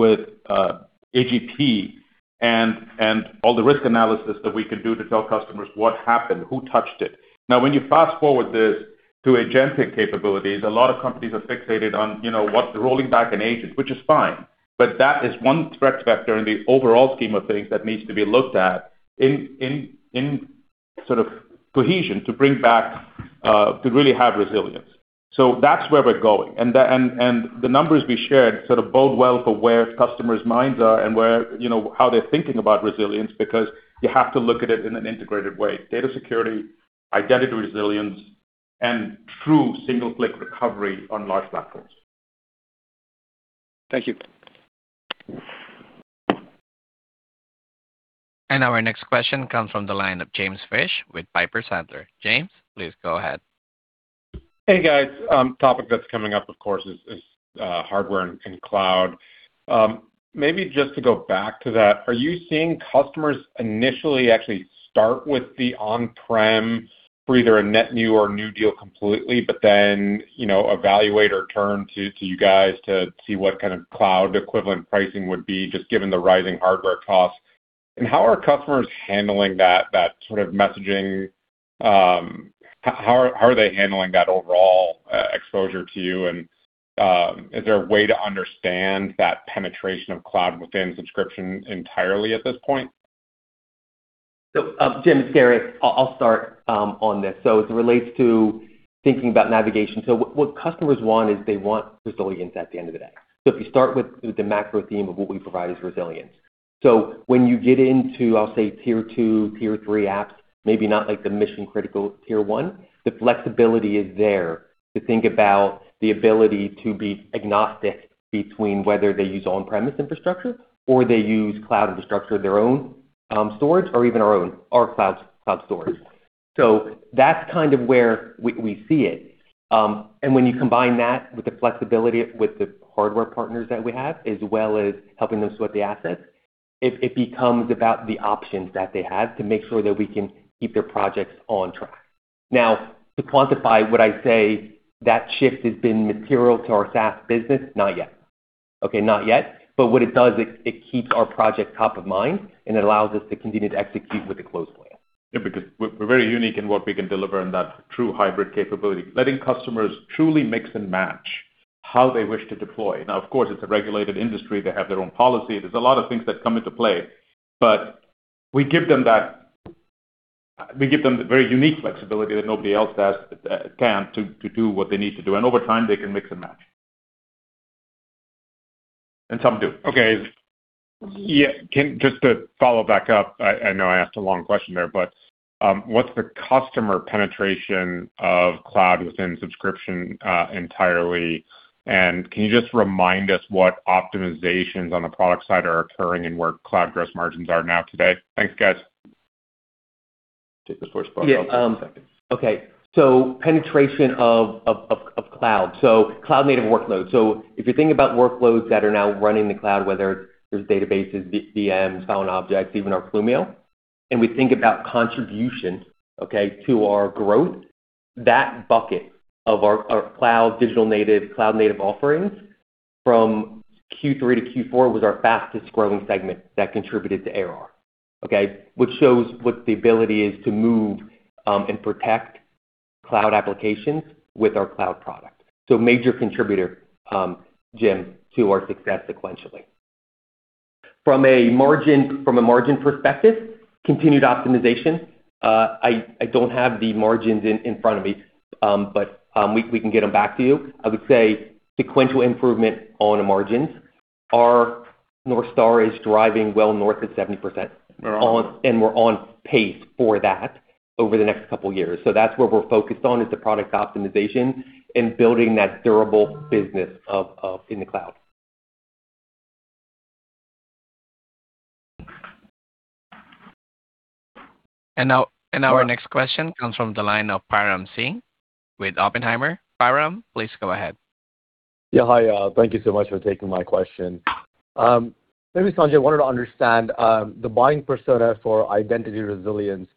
AGP and all the risk analysis that we can do to tell customers what happened, who touched it. Now, when you fast-forward this to agentic capabilities, a lot of companies are fixated on, you know, rolling back an agent, which is fine. That is one threat vector in the overall scheme of things that needs to be looked at in sort of cohesion to bring back to really have resilience. That's where we're going. The numbers we shared sort of bode well for where customers' minds are and where, you know, how they're thinking about resilience because you have to look at it in an integrated way, data security, identity resilience, and true single-click recovery on large platforms. Thank you. Our next question comes from the line of James Fish with Piper Sandler. James, please go ahead. Hey, guys. Topic that's coming up, of course, is hardware and cloud. Maybe just to go back to that, are you seeing customers initially actually start with the on-prem for either a net new or new deal completely, but then, you know, evaluate or turn to you guys to see what kind of cloud equivalent pricing would be just given the rising hardware costs? How are customers handling that sort of messaging? How are they handling that overall exposure to you? Is there a way to understand that penetration of cloud within subscription entirely at this point? James, Gary, I'll start on this. As it relates to thinking about navigation. What customers want is they want resilience at the end of the day. If you start with the macro theme of what we provide is resilience. When you get into, I'll say Tier 2, Tier 3 apps, maybe not like the mission-critical Tier 1, the flexibility is there to think about the ability to be agnostic between whether they use on-premise infrastructure or they use cloud infrastructure, their own storage or even our own cloud storage. That's kind of where we see it. When you combine that with the flexibility with the hardware partners that we have, as well as helping them sweat the assets, it becomes about the options that they have to make sure that we can keep their projects on track. To quantify, would I say that shift has been material to our SaaS business? Not yet. Okay, not yet. What it does is it keeps our project top of mind, and it allows us to continue to execute with a close plan. Yeah, we're very unique in what we can deliver in that true hybrid capability, letting customers truly mix and match how they wish to deploy. Of course, it's a regulated industry. They have their own policy. There's a lot of things that come into play. We give them that, we give them the very unique flexibility that nobody else has, can to do what they need to do. Over time, they can mix and match. Some do. Okay. Yeah. Just to follow back up, I know I asked a long question there, but what's the customer penetration of cloud within subscription entirely? Can you just remind us what optimizations on the product side are occurring and where cloud gross margins are now today? Thanks, guys. Take the first part. I'll take the second. Okay. Penetration of cloud. Cloud-native workload. If you're thinking about workloads that are now running the cloud, whether there's databases, VMs, file and objects, even our Clumio, and we think about contributions to our growth, that bucket of our cloud digital native, cloud native offerings from Q3 to Q4 was our fastest growing segment that contributed to ARR. Which shows what the ability is to move and protect cloud applications with our cloud product. Major contributor, Jim, to our success sequentially. From a margin perspective, continued optimization. I don't have the margins in front of me, but we can get them back to you. I would say sequential improvement on the margins. North Star is driving well north of 70%. We're on pace for that over the next couple years. That's where we're focused on, is the product optimization and building that durable business of in the cloud. Our next question comes from the line of Param Singh with Oppenheimer. Param, please go ahead. Yeah. Hi, thank you so much for taking my question. Maybe, Sanjay, I wanted to understand the buying persona for identity resilience,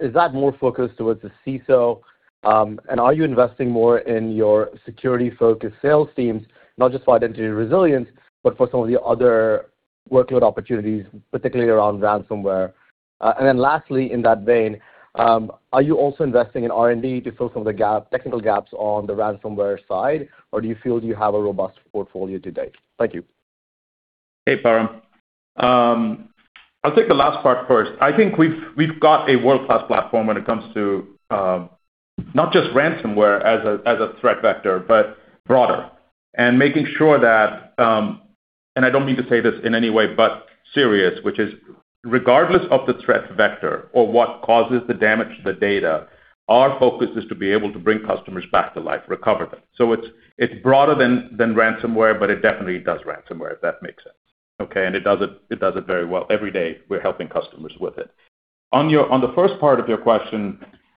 is that more focused towards the CISO? Are you investing more in your security-focused sales teams, not just for identity resilience, but for some of the other workload opportunities, particularly around ransomware? Lastly, in that vein, are you also investing in R&D to fill some of the gap, technical gaps on the ransomware side, or do you feel you have a robust portfolio today? Thank you. Hey, Param. I'll take the last part first. I think we've got a world-class platform when it comes to not just ransomware as a threat vector, but broader. Making sure that, and I don't mean to say this in any way but serious, which is regardless of the threat vector or what causes the damage to the data, our focus is to be able to bring customers back to life, recover them. It's broader than ransomware, but it definitely does ransomware, if that makes sense, okay? It does it very well. Every day, we're helping customers with it. On the first part of your question,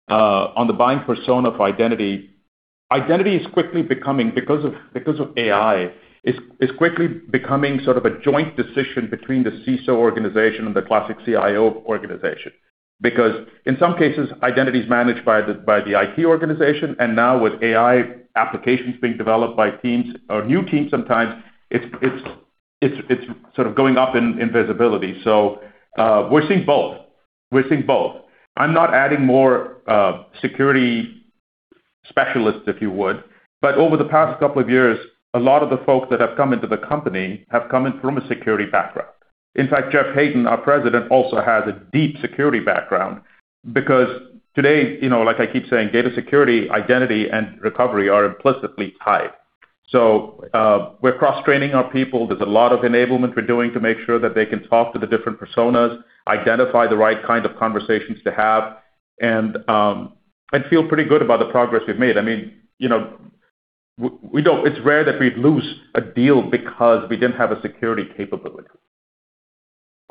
on the buying persona for identity is quickly becoming because of AI, is quickly becoming sort of a joint decision between the CISO organization and the classic CIO organization. Because in some cases, identity is managed by the IT organization, and now with AI applications being developed by teams or new teams sometimes, it's sort of going up in visibility. We're seeing both. We're seeing both. I'm not adding more security specialists, if you would. Over the past couple of years, a lot of the folks that have come into the company have come in from a security background. In fact, Geoff Haydon, our President, also has a deep security background because today, you know, like I keep saying, data security, identity, and recovery are implicitly tied. We're cross-training our people. There's a lot of enablement we're doing to make sure that they can talk to the different personas, identify the right kind of conversations to have, and feel pretty good about the progress we've made. I mean, you know, we don't it's rare that we'd lose a deal because we didn't have a security capability.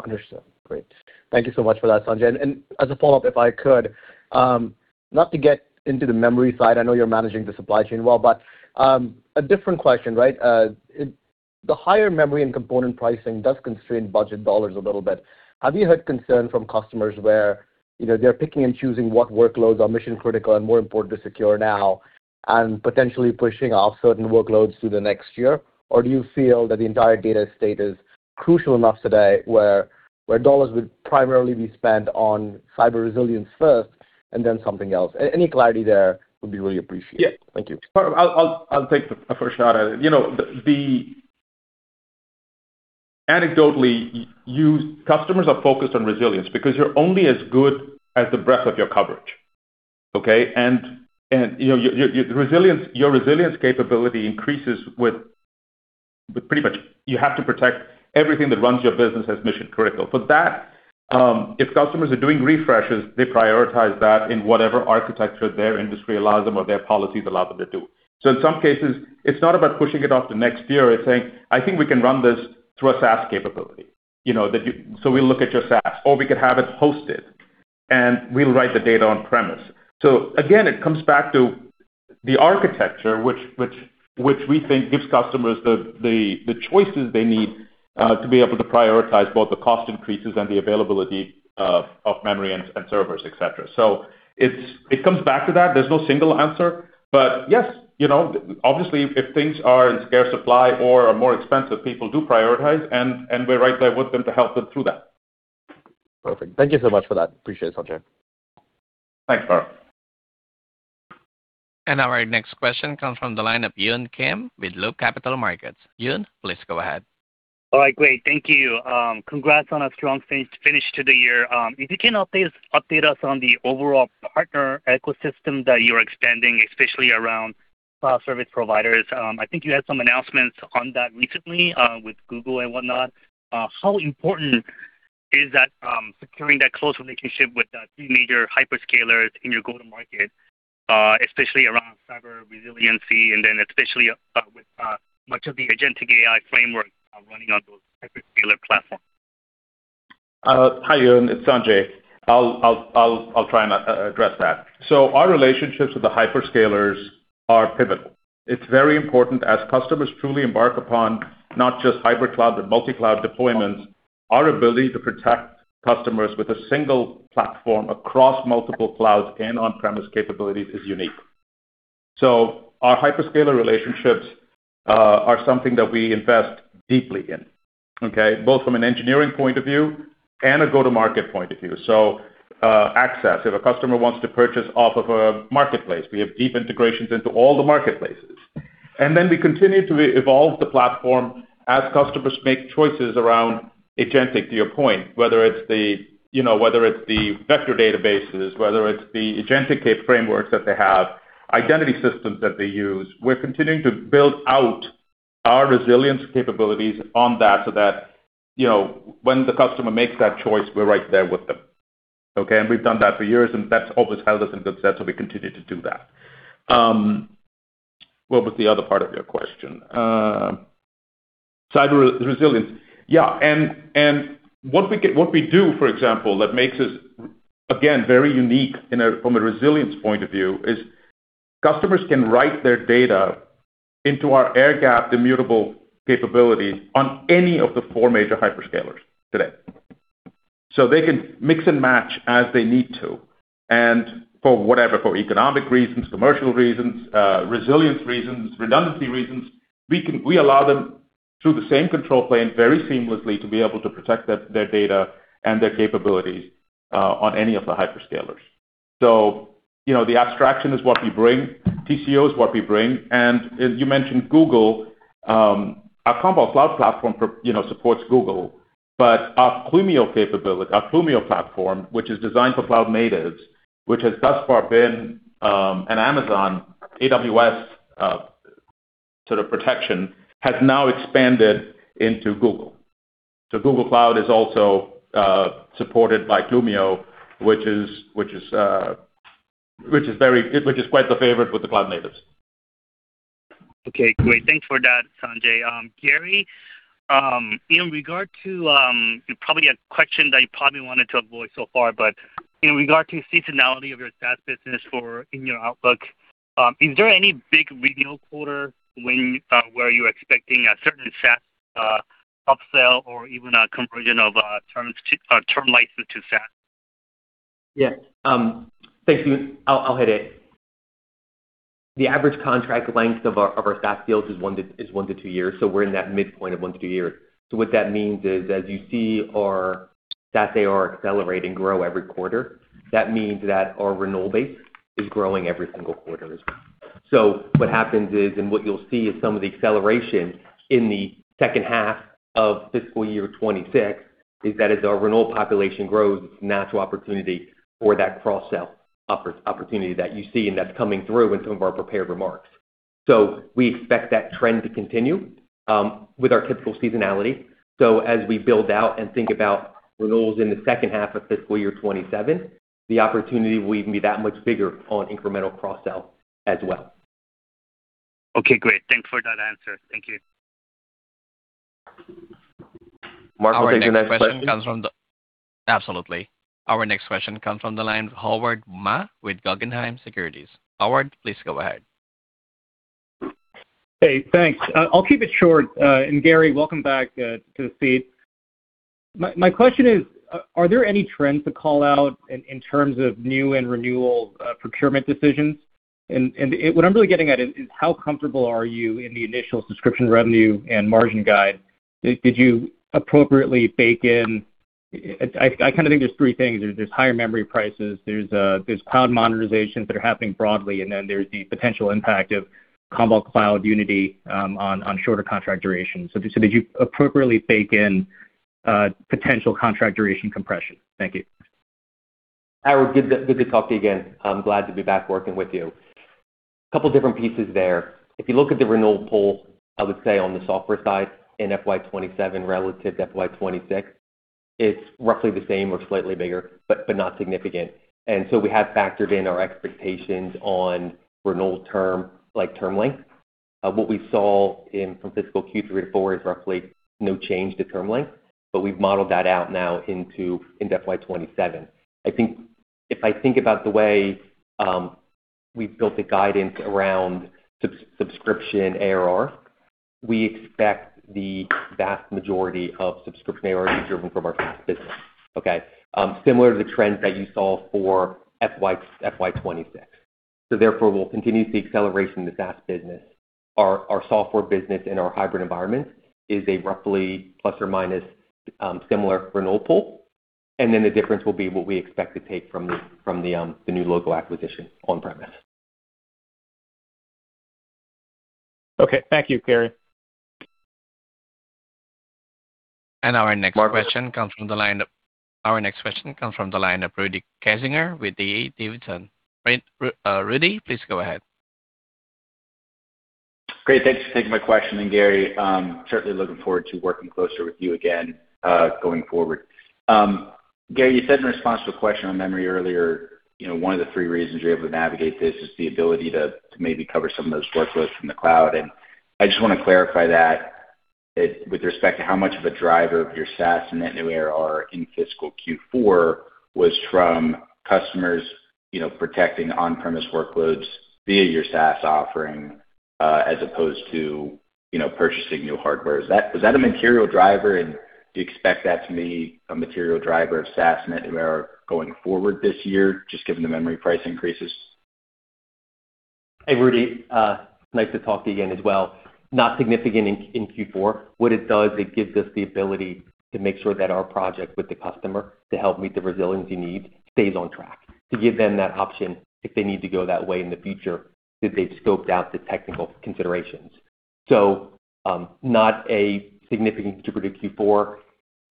Understood. Great. Thank you so much for that, Sanjay. As a follow-up, if I could, not to get into the memory side, I know you're managing the supply chain well, but a different question, right? The higher memory and component pricing does constrain budget dollars a little bit. Have you heard concern from customers where, you know, they're picking and choosing what workloads are mission-critical and more important to secure now and potentially pushing off certain workloads to the next year? Do you feel that the entire data state is crucial enough today where dollars would primarily be spent on cyber resilience first and then something else? Any clarity there would be really appreciated. Thank you. Yeah. Param, I'll take the first shot at it. You know, anecdotally, customers are focused on resilience because you're only as good as the breadth of your coverage, okay. You know, your resilience capability increases with pretty much you have to protect everything that runs your business as mission-critical. For that, if customers are doing refreshes, they prioritize that in whatever architecture their industry allows them or their policies allow them to do. In some cases, it's not about pushing it off to next year. It's saying, "I think we can run this through a SaaS capability, you know, that so we look at your SaaS, or we could have it hosted, and we'll write the data on-premise." Again, it comes back to the architecture, which we think gives customers the choices they need to be able to prioritize both the cost increases and the availability of memory and servers, et cetera. It comes back to that. There's no single answer. Yes, you know, obviously, if things are in spare supply or are more expensive, people do prioritize, and we're right there with them to help them through that. Perfect. Thank you so much for that. Appreciate it, Sanjay. Thanks, Param. Our next question comes from the line of Yun Kim with Loop Capital Markets. Yun, please go ahead. All right, great. Thank you. Congrats on a strong finish to the year. If you can update us on the overall partner ecosystem that you're expanding, especially around cloud service providers. I think you had some announcements on that recently, with Google and whatnot. How important is that, securing that close relationship with the three major hyperscalers in your go-to-market, especially around cyber resilience, and then especially with much of the agentic AI framework running on those hyperscaler platforms? Hi, Yun, it's Sanjay. I'll try and address that. Our relationships with the hyperscalers are pivotal. It's very important as customers truly embark upon not just hypercloud but multi-cloud deployments, our ability to protect customers with a single platform across multiple clouds and on-premise capabilities is unique. Our hyperscaler relationships are something that we invest deeply in, okay? Both from an engineering point of view and a go-to-market point of view. Access. If a customer wants to purchase off of a marketplace, we have deep integrations into all the marketplaces. We continue to evolve the platform as customers make choices around agentic, to your point, whether it's the, you know, whether it's the vector databases, whether it's the agentic frameworks that they have, identity systems that they use. We're continuing to build out our resilience capabilities on that so that, you know, when the customer makes that choice, we're right there with them, okay? We've done that for years, and that's always held us in good stead, so we continue to do that. What was the other part of your question? Cyber resilience. Yeah, and what we do, for example, that makes us, again, very unique from a resilience point of view is customers can write their data into our air-gapped immutable capabilities on any of the four major hyperscalers today. They can mix and match as they need to. For whatever, for economic reasons, commercial reasons, resilience reasons, redundancy reasons, we allow them, through the same control plane, very seamlessly to be able to protect their data and their capabilities on any of the hyperscalers. You know, the abstraction is what we bring, TCO is what we bring. As you mentioned Google, our Commvault Cloud platform, you know, supports Google, but our Clumio capability, our Clumio platform, which is designed for cloud natives, which has thus far been an Amazon AWS sort of protection, has now expanded into Google. Google Cloud is also supported by Clumio, which is quite the favorite with the cloud natives. Okay, great. Thanks for that, Sanjay. Gary, in regard to, probably a question that you probably wanted to avoid so far, but in regard to seasonality of your SaaS business for in your outlook, is there any big regional quarter when, where you're expecting a certain SaaS, upsell or even a conversion of, term license to SaaS? Yeah. Thanks, Yun. I'll hit it. The average contract length of our SaaS deals is one to two years, so we're in that midpoint of one to two years. What that means is, as you see our SaaS AR accelerate and grow every quarter, that means that our renewal base is growing every single quarter as well. What happens is, and what you'll see is some of the acceleration in the second half of fiscal year 2026, is that as our renewal population grows, it's a natural opportunity for that cross-sell opportunity that you see and that's coming through in some of our prepared remarks. We expect that trend to continue with our typical seasonality. As we build out and think about renewals in the second half of fiscal year 2027, the opportunity will even be that much bigger on incremental cross-sell as well. Okay, great. Thanks for that answer. Thank you. Marco, can you next question? Absolutely. Our next question comes from the line of Howard Ma with Guggenheim Securities. Howard, please go ahead. Hey, thanks. I'll keep it short. Gary, welcome back to the seat. My question is, are there any trends to call out in terms of new and renewal procurement decisions? What I'm really getting at is how comfortable are you in the initial subscription revenue and margin guide? Did you appropriately bake in? I kinda think there's three things. There's higher memory prices, there's cloud modernizations that are happening broadly, there's the potential impact of Commvault Cloud Unity on shorter contract duration. Did you appropriately bake in potential contract duration compression? Thank you. Howard, good to talk to you again. I'm glad to be back working with you. Couple different pieces there. If you look at the renewal pool, I would say on the software side in FY 2027 relative to FY 2026, it's roughly the same or slightly bigger, but not significant. We have factored in our expectations on renewal term, like term length. What we saw in from fiscal Q3 to Q4 is roughly no change to term length, but we've modeled that out now into FY 2027. If I think about the way we've built the guidance around subscription ARR, we expect the vast majority of subscription ARR driven from our SaaS business, okay. Similar to the trend that you saw for FY 2026. Therefore, we'll continue to see acceleration in the SaaS business. Our software business and our hybrid environment is a roughly plus or minus similar renewal pool. Then the difference will be what we expect to take from the new local acquisition on-premise. Okay. Thank you, Gary. Our next question comes from the line of Rudy Kessinger with D.A. Davidson. Rudy, please go ahead. Great. Thanks for taking my question. Gary, certainly looking forward to working closer with you again going forward. Gary, you said in response to a question on memory earlier, you know, one of the three reasons you're able to navigate this is the ability to maybe cover some of those workloads from the cloud. I just wanna clarify that with respect to how much of a driver of your SaaS net new ARR in fiscal Q4 was from customers, you know, protecting on-premise workloads via your SaaS offering, as opposed to, you know, purchasing new hardware. Is that a material driver, and do you expect that to be a material driver of SaaS net new ARR going forward this year, just given the memory price increases? Hey, Rudy, nice to talk to you again as well. Not significant in Q4. What it does, it gives us the ability to make sure that our project with the customer to help meet the resilience need stays on track. To give them that option if they need to go that way in the future, that they've scoped out the technical considerations. Not a significant to predict Q4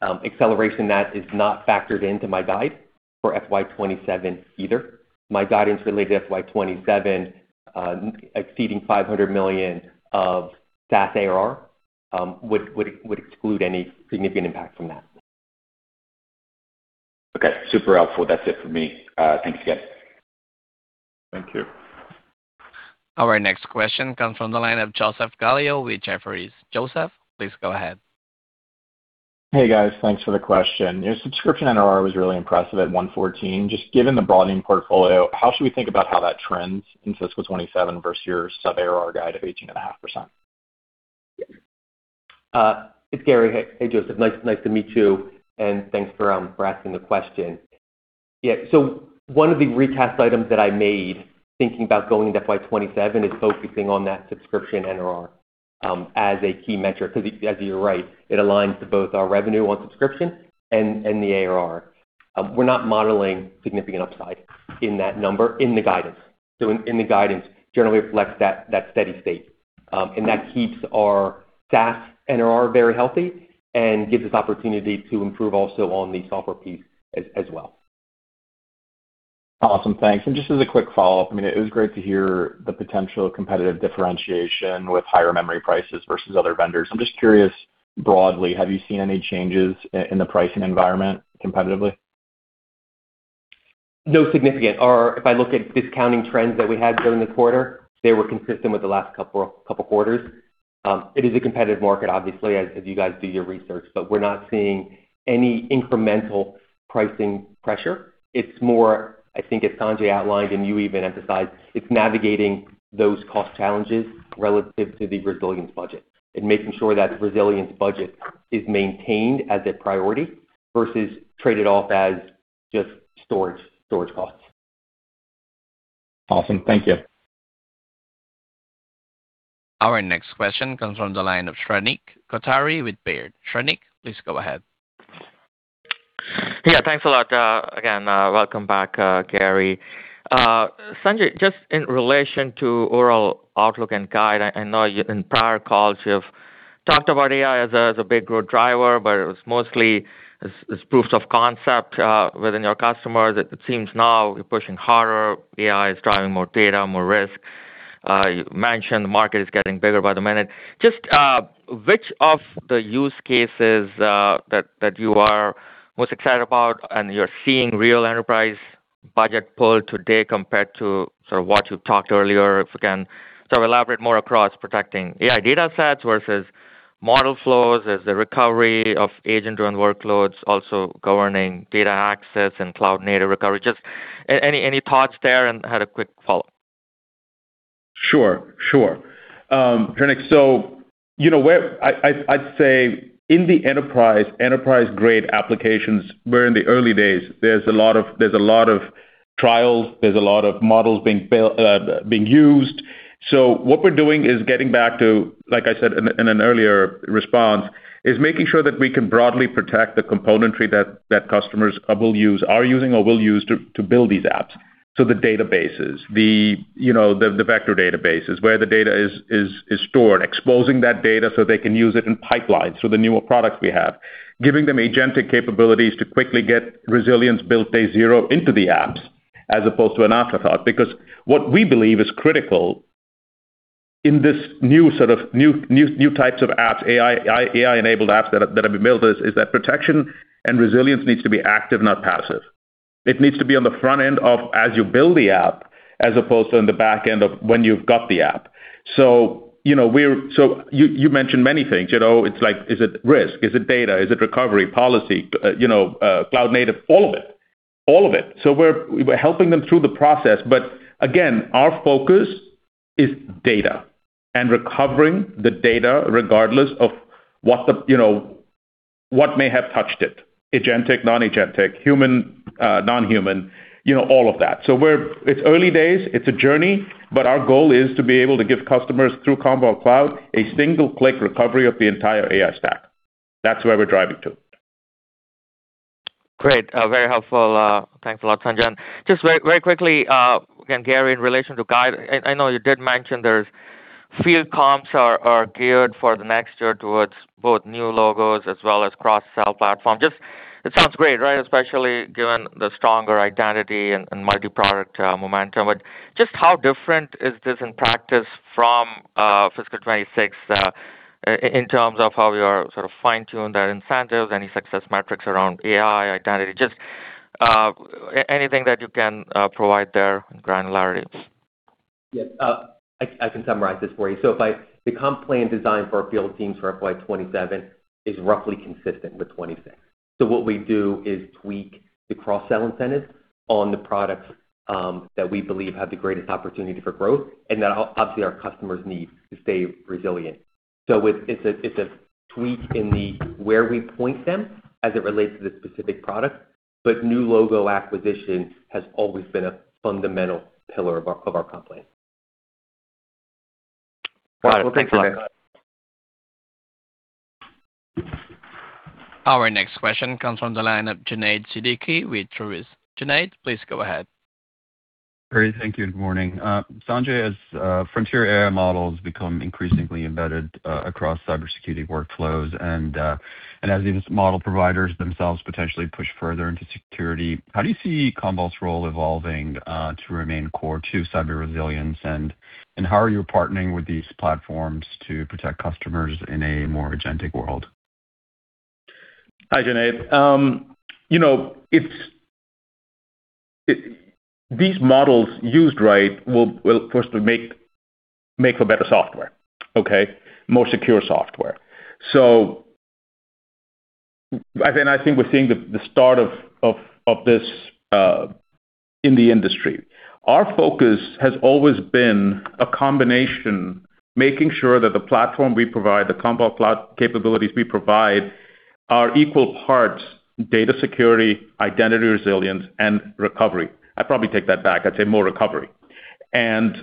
acceleration. That is not factored into my guide for FY 2027 either. My guidance related to FY 2027, exceeding $500 million of SaaS ARR, would exclude any significant impact from that. Okay, super helpful. That's it for me. Thanks again. Thank you. Our next question comes from the line of Joseph Gallo with Jefferies. Joseph, please go ahead. Hey, guys. Thanks for the question. Your subscription NRR was really impressive at 114%. Given the broadening portfolio, how should we think about how that trends in FY 2027 versus your sub-ARR guide of 18.5%? It's Gary. Hey, Joseph. Nice to meet you, and thanks for asking the question. One of the recast items that I made thinking about going into FY 2027 is focusing on that subscription NRR as a key metric because as you're right, it aligns to both our revenue on subscription and the ARR. We're not modeling significant upside in that number in the guidance. The guidance generally reflects that steady state. That keeps our SaaS NRR very healthy and gives us opportunity to improve also on the software piece as well. Awesome. Thanks. Just as a quick follow-up, I mean, it was great to hear the potential competitive differentiation with higher memory prices versus other vendors. I'm just curious, broadly, have you seen any changes in the pricing environment competitively? No significant. If I look at discounting trends that we had during the quarter, they were consistent with the last couple quarters. It is a competitive market, obviously, as you guys do your research, but we're not seeing any incremental pricing pressure. It's more, I think as Sanjay outlined, and you even emphasized, it's navigating those cost challenges relative to the resilience budget and making sure that resilience budget is maintained as a priority versus traded off as just storage costs. Awesome. Thank you. Our next question comes from the line of Shrenik Kothari with Baird. Shrenik, please go ahead. Thanks a lot. Again, welcome back, Gary. Sanjay, just in relation to overall outlook and guide, I know in prior calls you've talked about AI as a big growth driver, but it was mostly as proofs of concept within your customers. It seems now you're pushing harder. AI is driving more data, more risk. You mentioned the market is getting bigger by the minute. Just which of the use cases that you are most excited about and you're seeing real enterprise budget pull today compared to what you talked earlier? If you can sort of elaborate more across protecting AI data sets versus model flows as the recovery of agent-run workloads, also governing data access and cloud-native recovery. Just any thoughts there, and I had a quick follow-up. Sure, sure. Shrenik, you know where I'd say in the enterprise-grade applications, we're in the early days. There's a lot of trials, there's a lot of models being used. What we're doing is getting back to, like I said in an earlier response, is making sure that we can broadly protect the componentry that customers are using or will use to build these apps. The databases, the, you know, the vector databases where the data is stored, exposing that data so they can use it in pipelines, so the newer products we have. Giving them agentic capabilities to quickly get resilience built day zero into the apps as opposed to an afterthought. What we believe is critical in this new sort of new types of apps, AI-enabled apps that are being built, is that protection and resilience needs to be active, not passive. It needs to be on the front end of as you build the app, as opposed to in the back end of when you've got the app. You know, you mentioned many things. You know, it's like, is it risk? Is it data? Is it recovery policy? You know, cloud native? All of it. All of it. We're helping them through the process. Again, our focus is data and recovering the data regardless of what the, you know, what may have touched it. Agentic, Non-Agentic, Human, Non-Human, you know, all of that. It's early days, it's a journey, but our goal is to be able to give customers, through Commvault Cloud, a single-click recovery of the entire AI stack. That's where we're driving to. Great. Very helpful. Thanks a lot, Sanjay. Just very, very quickly, again, Gary, in relation to guide, I know you did mention there's field comps are geared for the next year towards both new logos as well as cross-sell platform. Just it sounds great, right? Especially given the stronger identity and multi-product momentum. Just how different is this in practice from fiscal 2026 in terms of how we are sort of fine-tuned our incentives, any success metrics around AI, identity? Just anything that you can provide there in granularity. Yes. I can summarize this for you. The comp plan design for our field teams for FY 2027 is roughly consistent with 2026. What we do is tweak the cross-sell incentives on the products that we believe have the greatest opportunity for growth and that obviously our customers need to stay resilient. It's a tweak in the where we point them as it relates to the specific product, but new logo acquisition has always been a fundamental pillar of our comp plan. All right. Well, thanks a lot. Our next question comes from the line of Junaid Siddiqui with Truist. Junaid, please go ahead. Great. Thank you, and morning. Sanjay, as frontier AI models become increasingly embedded across cybersecurity workflows and as these model providers themselves potentially push further into security, how do you see Commvault's role evolving to remain core to cyber resilience? How are you partnering with these platforms to protect customers in a more agentic world? Hi, Junaid. you know, it's these models used right will firstly make for better software, okay. More secure software. Our focus has always been a combination, making sure that the platform we provide, the Commvault capabilities we provide are equal parts data security, identity resilience, and recovery. I'd probably take that back. I'd say more recovery. we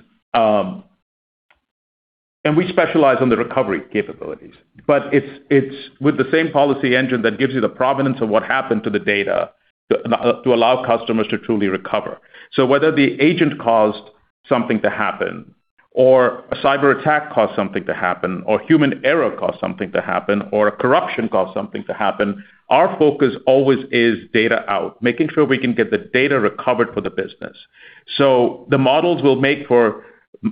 specialize on the recovery capabilities, but it's with the same policy engine that gives you the provenance of what happened to the data to allow customers to truly recover. Whether the agent caused something to happen or a cyber attack caused something to happen or human error caused something to happen or a corruption caused something to happen, our focus always is data out, making sure we can get the data recovered for the business. The models will make for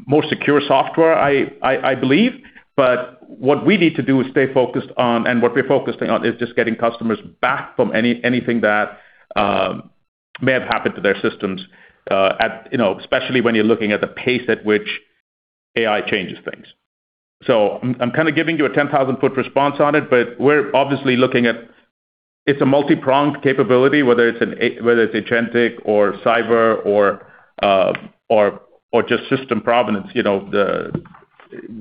more secure software, I believe, but what we need to do is stay focused on, and what we're focusing on is just getting customers back from anything that may have happened to their systems, at, you know, especially when you're looking at the pace at which AI changes things. I'm kinda giving you a 10,000 ft response on it, but we're obviously looking at it's a multi-pronged capability, whether it's Agentic or Cyber or just System Provenance. You know,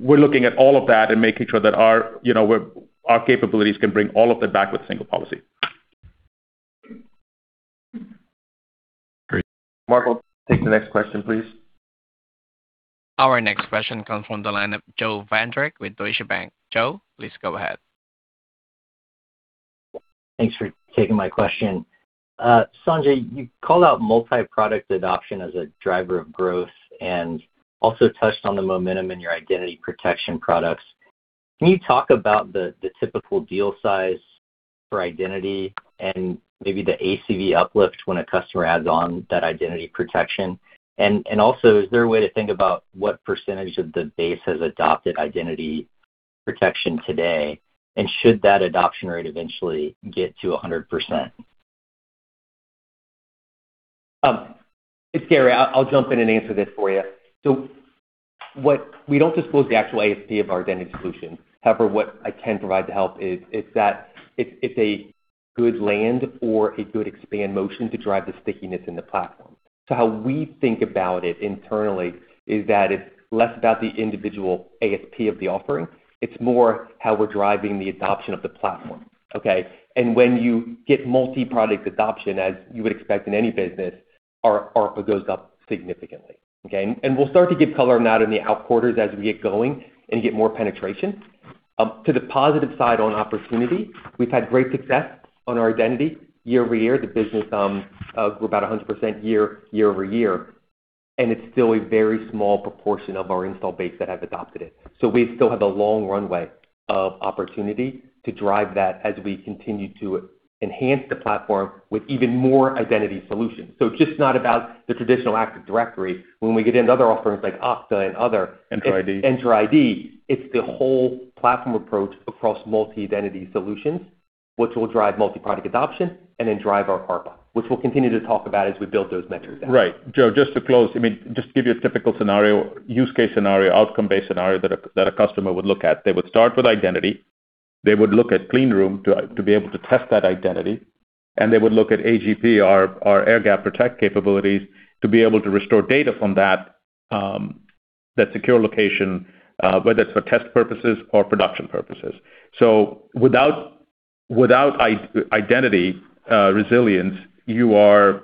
we're looking at all of that and making sure that our, you know, our capabilities can bring all of it back with single policy. Great. Mark, we'll take the next question, please. Our next question comes from the line of Joe Vandrick with Deutsche Bank. Joe, please go ahead. Thanks for taking my question. Sanjay, you called out multi-product adoption as a driver of growth and also touched on the momentum in your identity protection products. Can you talk about the typical deal size for identity and maybe the ACV uplift when a customer adds on that identity protection? Also, is there a way to think about what percentage of the base has adopted identity protection today? Should that adoption rate eventually get to 100%? It's Gary. I'll jump in and answer this for you. We don't disclose the actual ASP of our identity solutions. However, what I can provide to help is that it's a good land or a good expand motion to drive the stickiness in the platform. How we think about it internally is that it's less about the individual ASP of the offering, it's more how we're driving the adoption of the platform. When you get multi-product adoption, as you would expect in any business, our ARPA goes up significantly. We'll start to give color on that in the out quarters as we get going and get more penetration. To the positive side on opportunity, we've had great success on our identity year-over-year. The business grew about 100% year over year, and it's still a very small proportion of our install base that have adopted it. We still have a long runway of opportunity to drive that as we continue to enhance the platform with even more identity solutions. It's just not about the traditional Active Directory. When we get into other offerings like Okta and other. Entra ID. Entra ID, it's the whole platform approach across multi-identity solutions, which will drive multi-product adoption and then drive our ARPA, which we'll continue to talk about as we build those metrics out. Right. Joe, just to close, I mean, just to give you a typical scenario, use case scenario, outcome-based scenario that a customer would look at. They would start with identity. They would look at Cleanroom to be able to test that identity, and they would look at AGP, our Air Gap Protect capabilities, to be able to restore data from that secure location, whether it's for test purposes or production purposes. Without identity resilience, you are,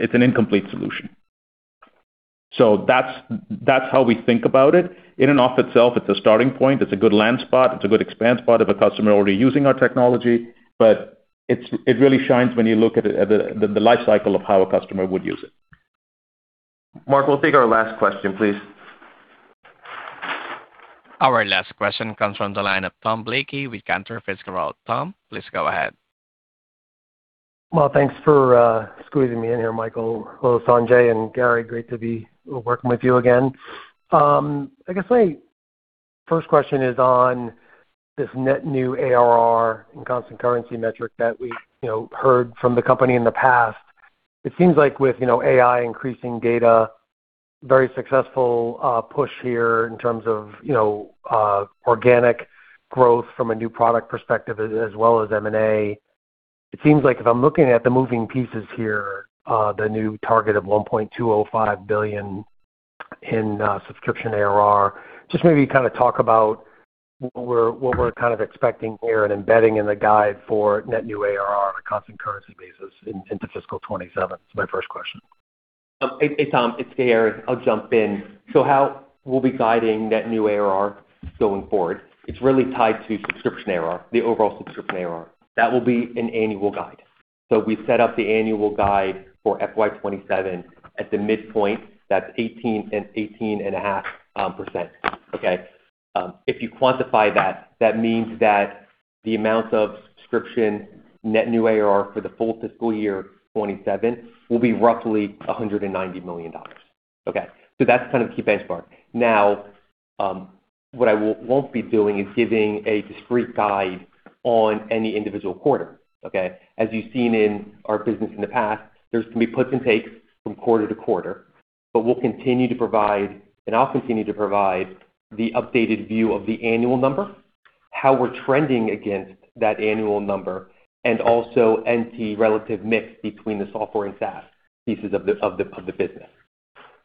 it's an incomplete solution. That's how we think about it. In and of itself, it's a starting point. It's a good land spot. It's a good expand spot if a customer already using our technology. It really shines when you look at it, at the life cycle of how a customer will use it. Marco, we'll take our last question, please. Our last question comes from the line of Thomas Blakey with Cantor Fitzgerald. Tom, please go ahead. Thanks for squeezing me in here, Michael. Hello, Sanjay and Gary. Great to be working with you again. I guess my first question is on this net new ARR and constant currency metric that we, you know, heard from the company in the past. It seems like with, you know, AI increasing data, very successful push here in terms of, you know, organic growth from a new product perspective as well as M&A. It seems like if I'm looking at the moving pieces here, the new target of $1.205 billion in subscription ARR, just maybe kind of talk about what we're kind of expecting here and embedding in the guide for net new ARR on a constant currency basis into fiscal 2027. It's my first question. Hey, Tom. It's Gary. I'll jump in. How we'll be guiding net new ARR going forward, it's really tied to subscription ARR, the overall subscription ARR. That will be an annual guide. We set up the annual guide for FY 2027 at the midpoint. That's 18% and 18.5%. Okay? If you quantify that means that the amount of subscription net new ARR for the full fiscal year 2027 will be roughly $190 million. Okay? That's kind of the key benchmark. Now, what I won't be doing is giving a discrete guide on any individual quarter. Okay? As you've seen in our business in the past, there's gonna be puts and takes from quarter to quarter, but we'll continue to provide, and I'll continue to provide the updated view of the annual number, how we're trending against that annual number, and also NT relative mix between the software and SaaS pieces of the business.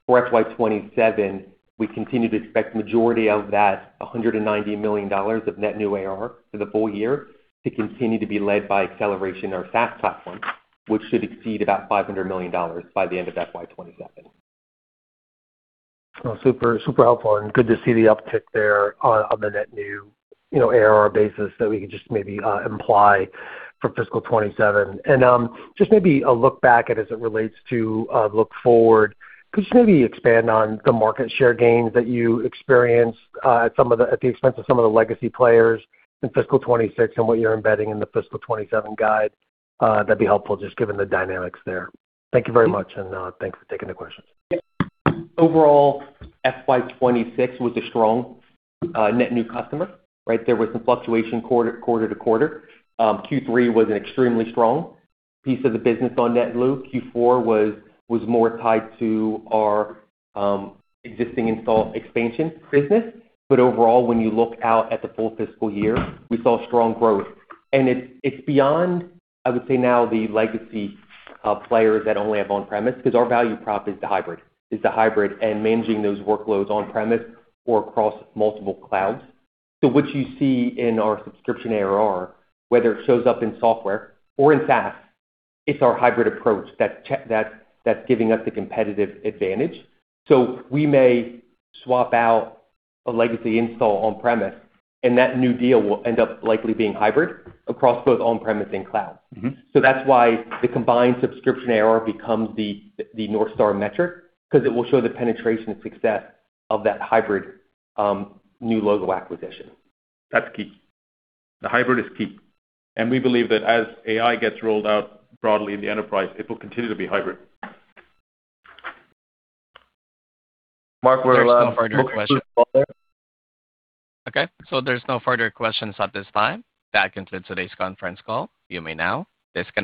For FY 2027, we continue to expect majority of that $190 million of net new ARR for the full year to continue to be led by acceleration in our SaaS platform, which should exceed about $500 million by the end of FY 2027. Well, super helpful and good to see the uptick there on the net new, you know, ARR basis that we can just maybe imply for fiscal 2027. Just maybe a look back at as it relates to look forward. Could you maybe expand on the market share gains that you experienced at the expense of some of the legacy players in fiscal 2026 and what you're embedding in the fiscal 2027 guide? That'd be helpful just given the dynamics there. Thank you very much. Thanks for taking the questions. Overall, FY 2026 was a strong, net new customer, right? There was some fluctuation quarter to quarter. Q3 was an extremely strong piece of the business on net new. Q4 was more tied to our existing install expansion business. Overall, when you look out at the full fiscal year, we saw strong growth. It's, it's beyond, I would say now, the legacy players that only have on-premise because our value prop is the hybrid. It's the hybrid and managing those workloads on-premise or across multiple clouds. What you see in our subscription ARR, whether it shows up in software or in SaaS, it's our hybrid approach that's giving us the competitive advantage. We may swap out a legacy install on-premise, and that new deal will end up likely being hybrid across both on-premise and cloud. That's why the combined subscription ARR becomes the north star metric because it will show the penetration and success of that hybrid new logo acquisition. That's key. The hybrid is key. We believe that as AI gets rolled out broadly in the enterprise, it will continue to be hybrid. Marc, we're. *crosstalk* There's no further questions. Okay. There's no further questions at this time. That concludes today's conference call. You may now disconnect.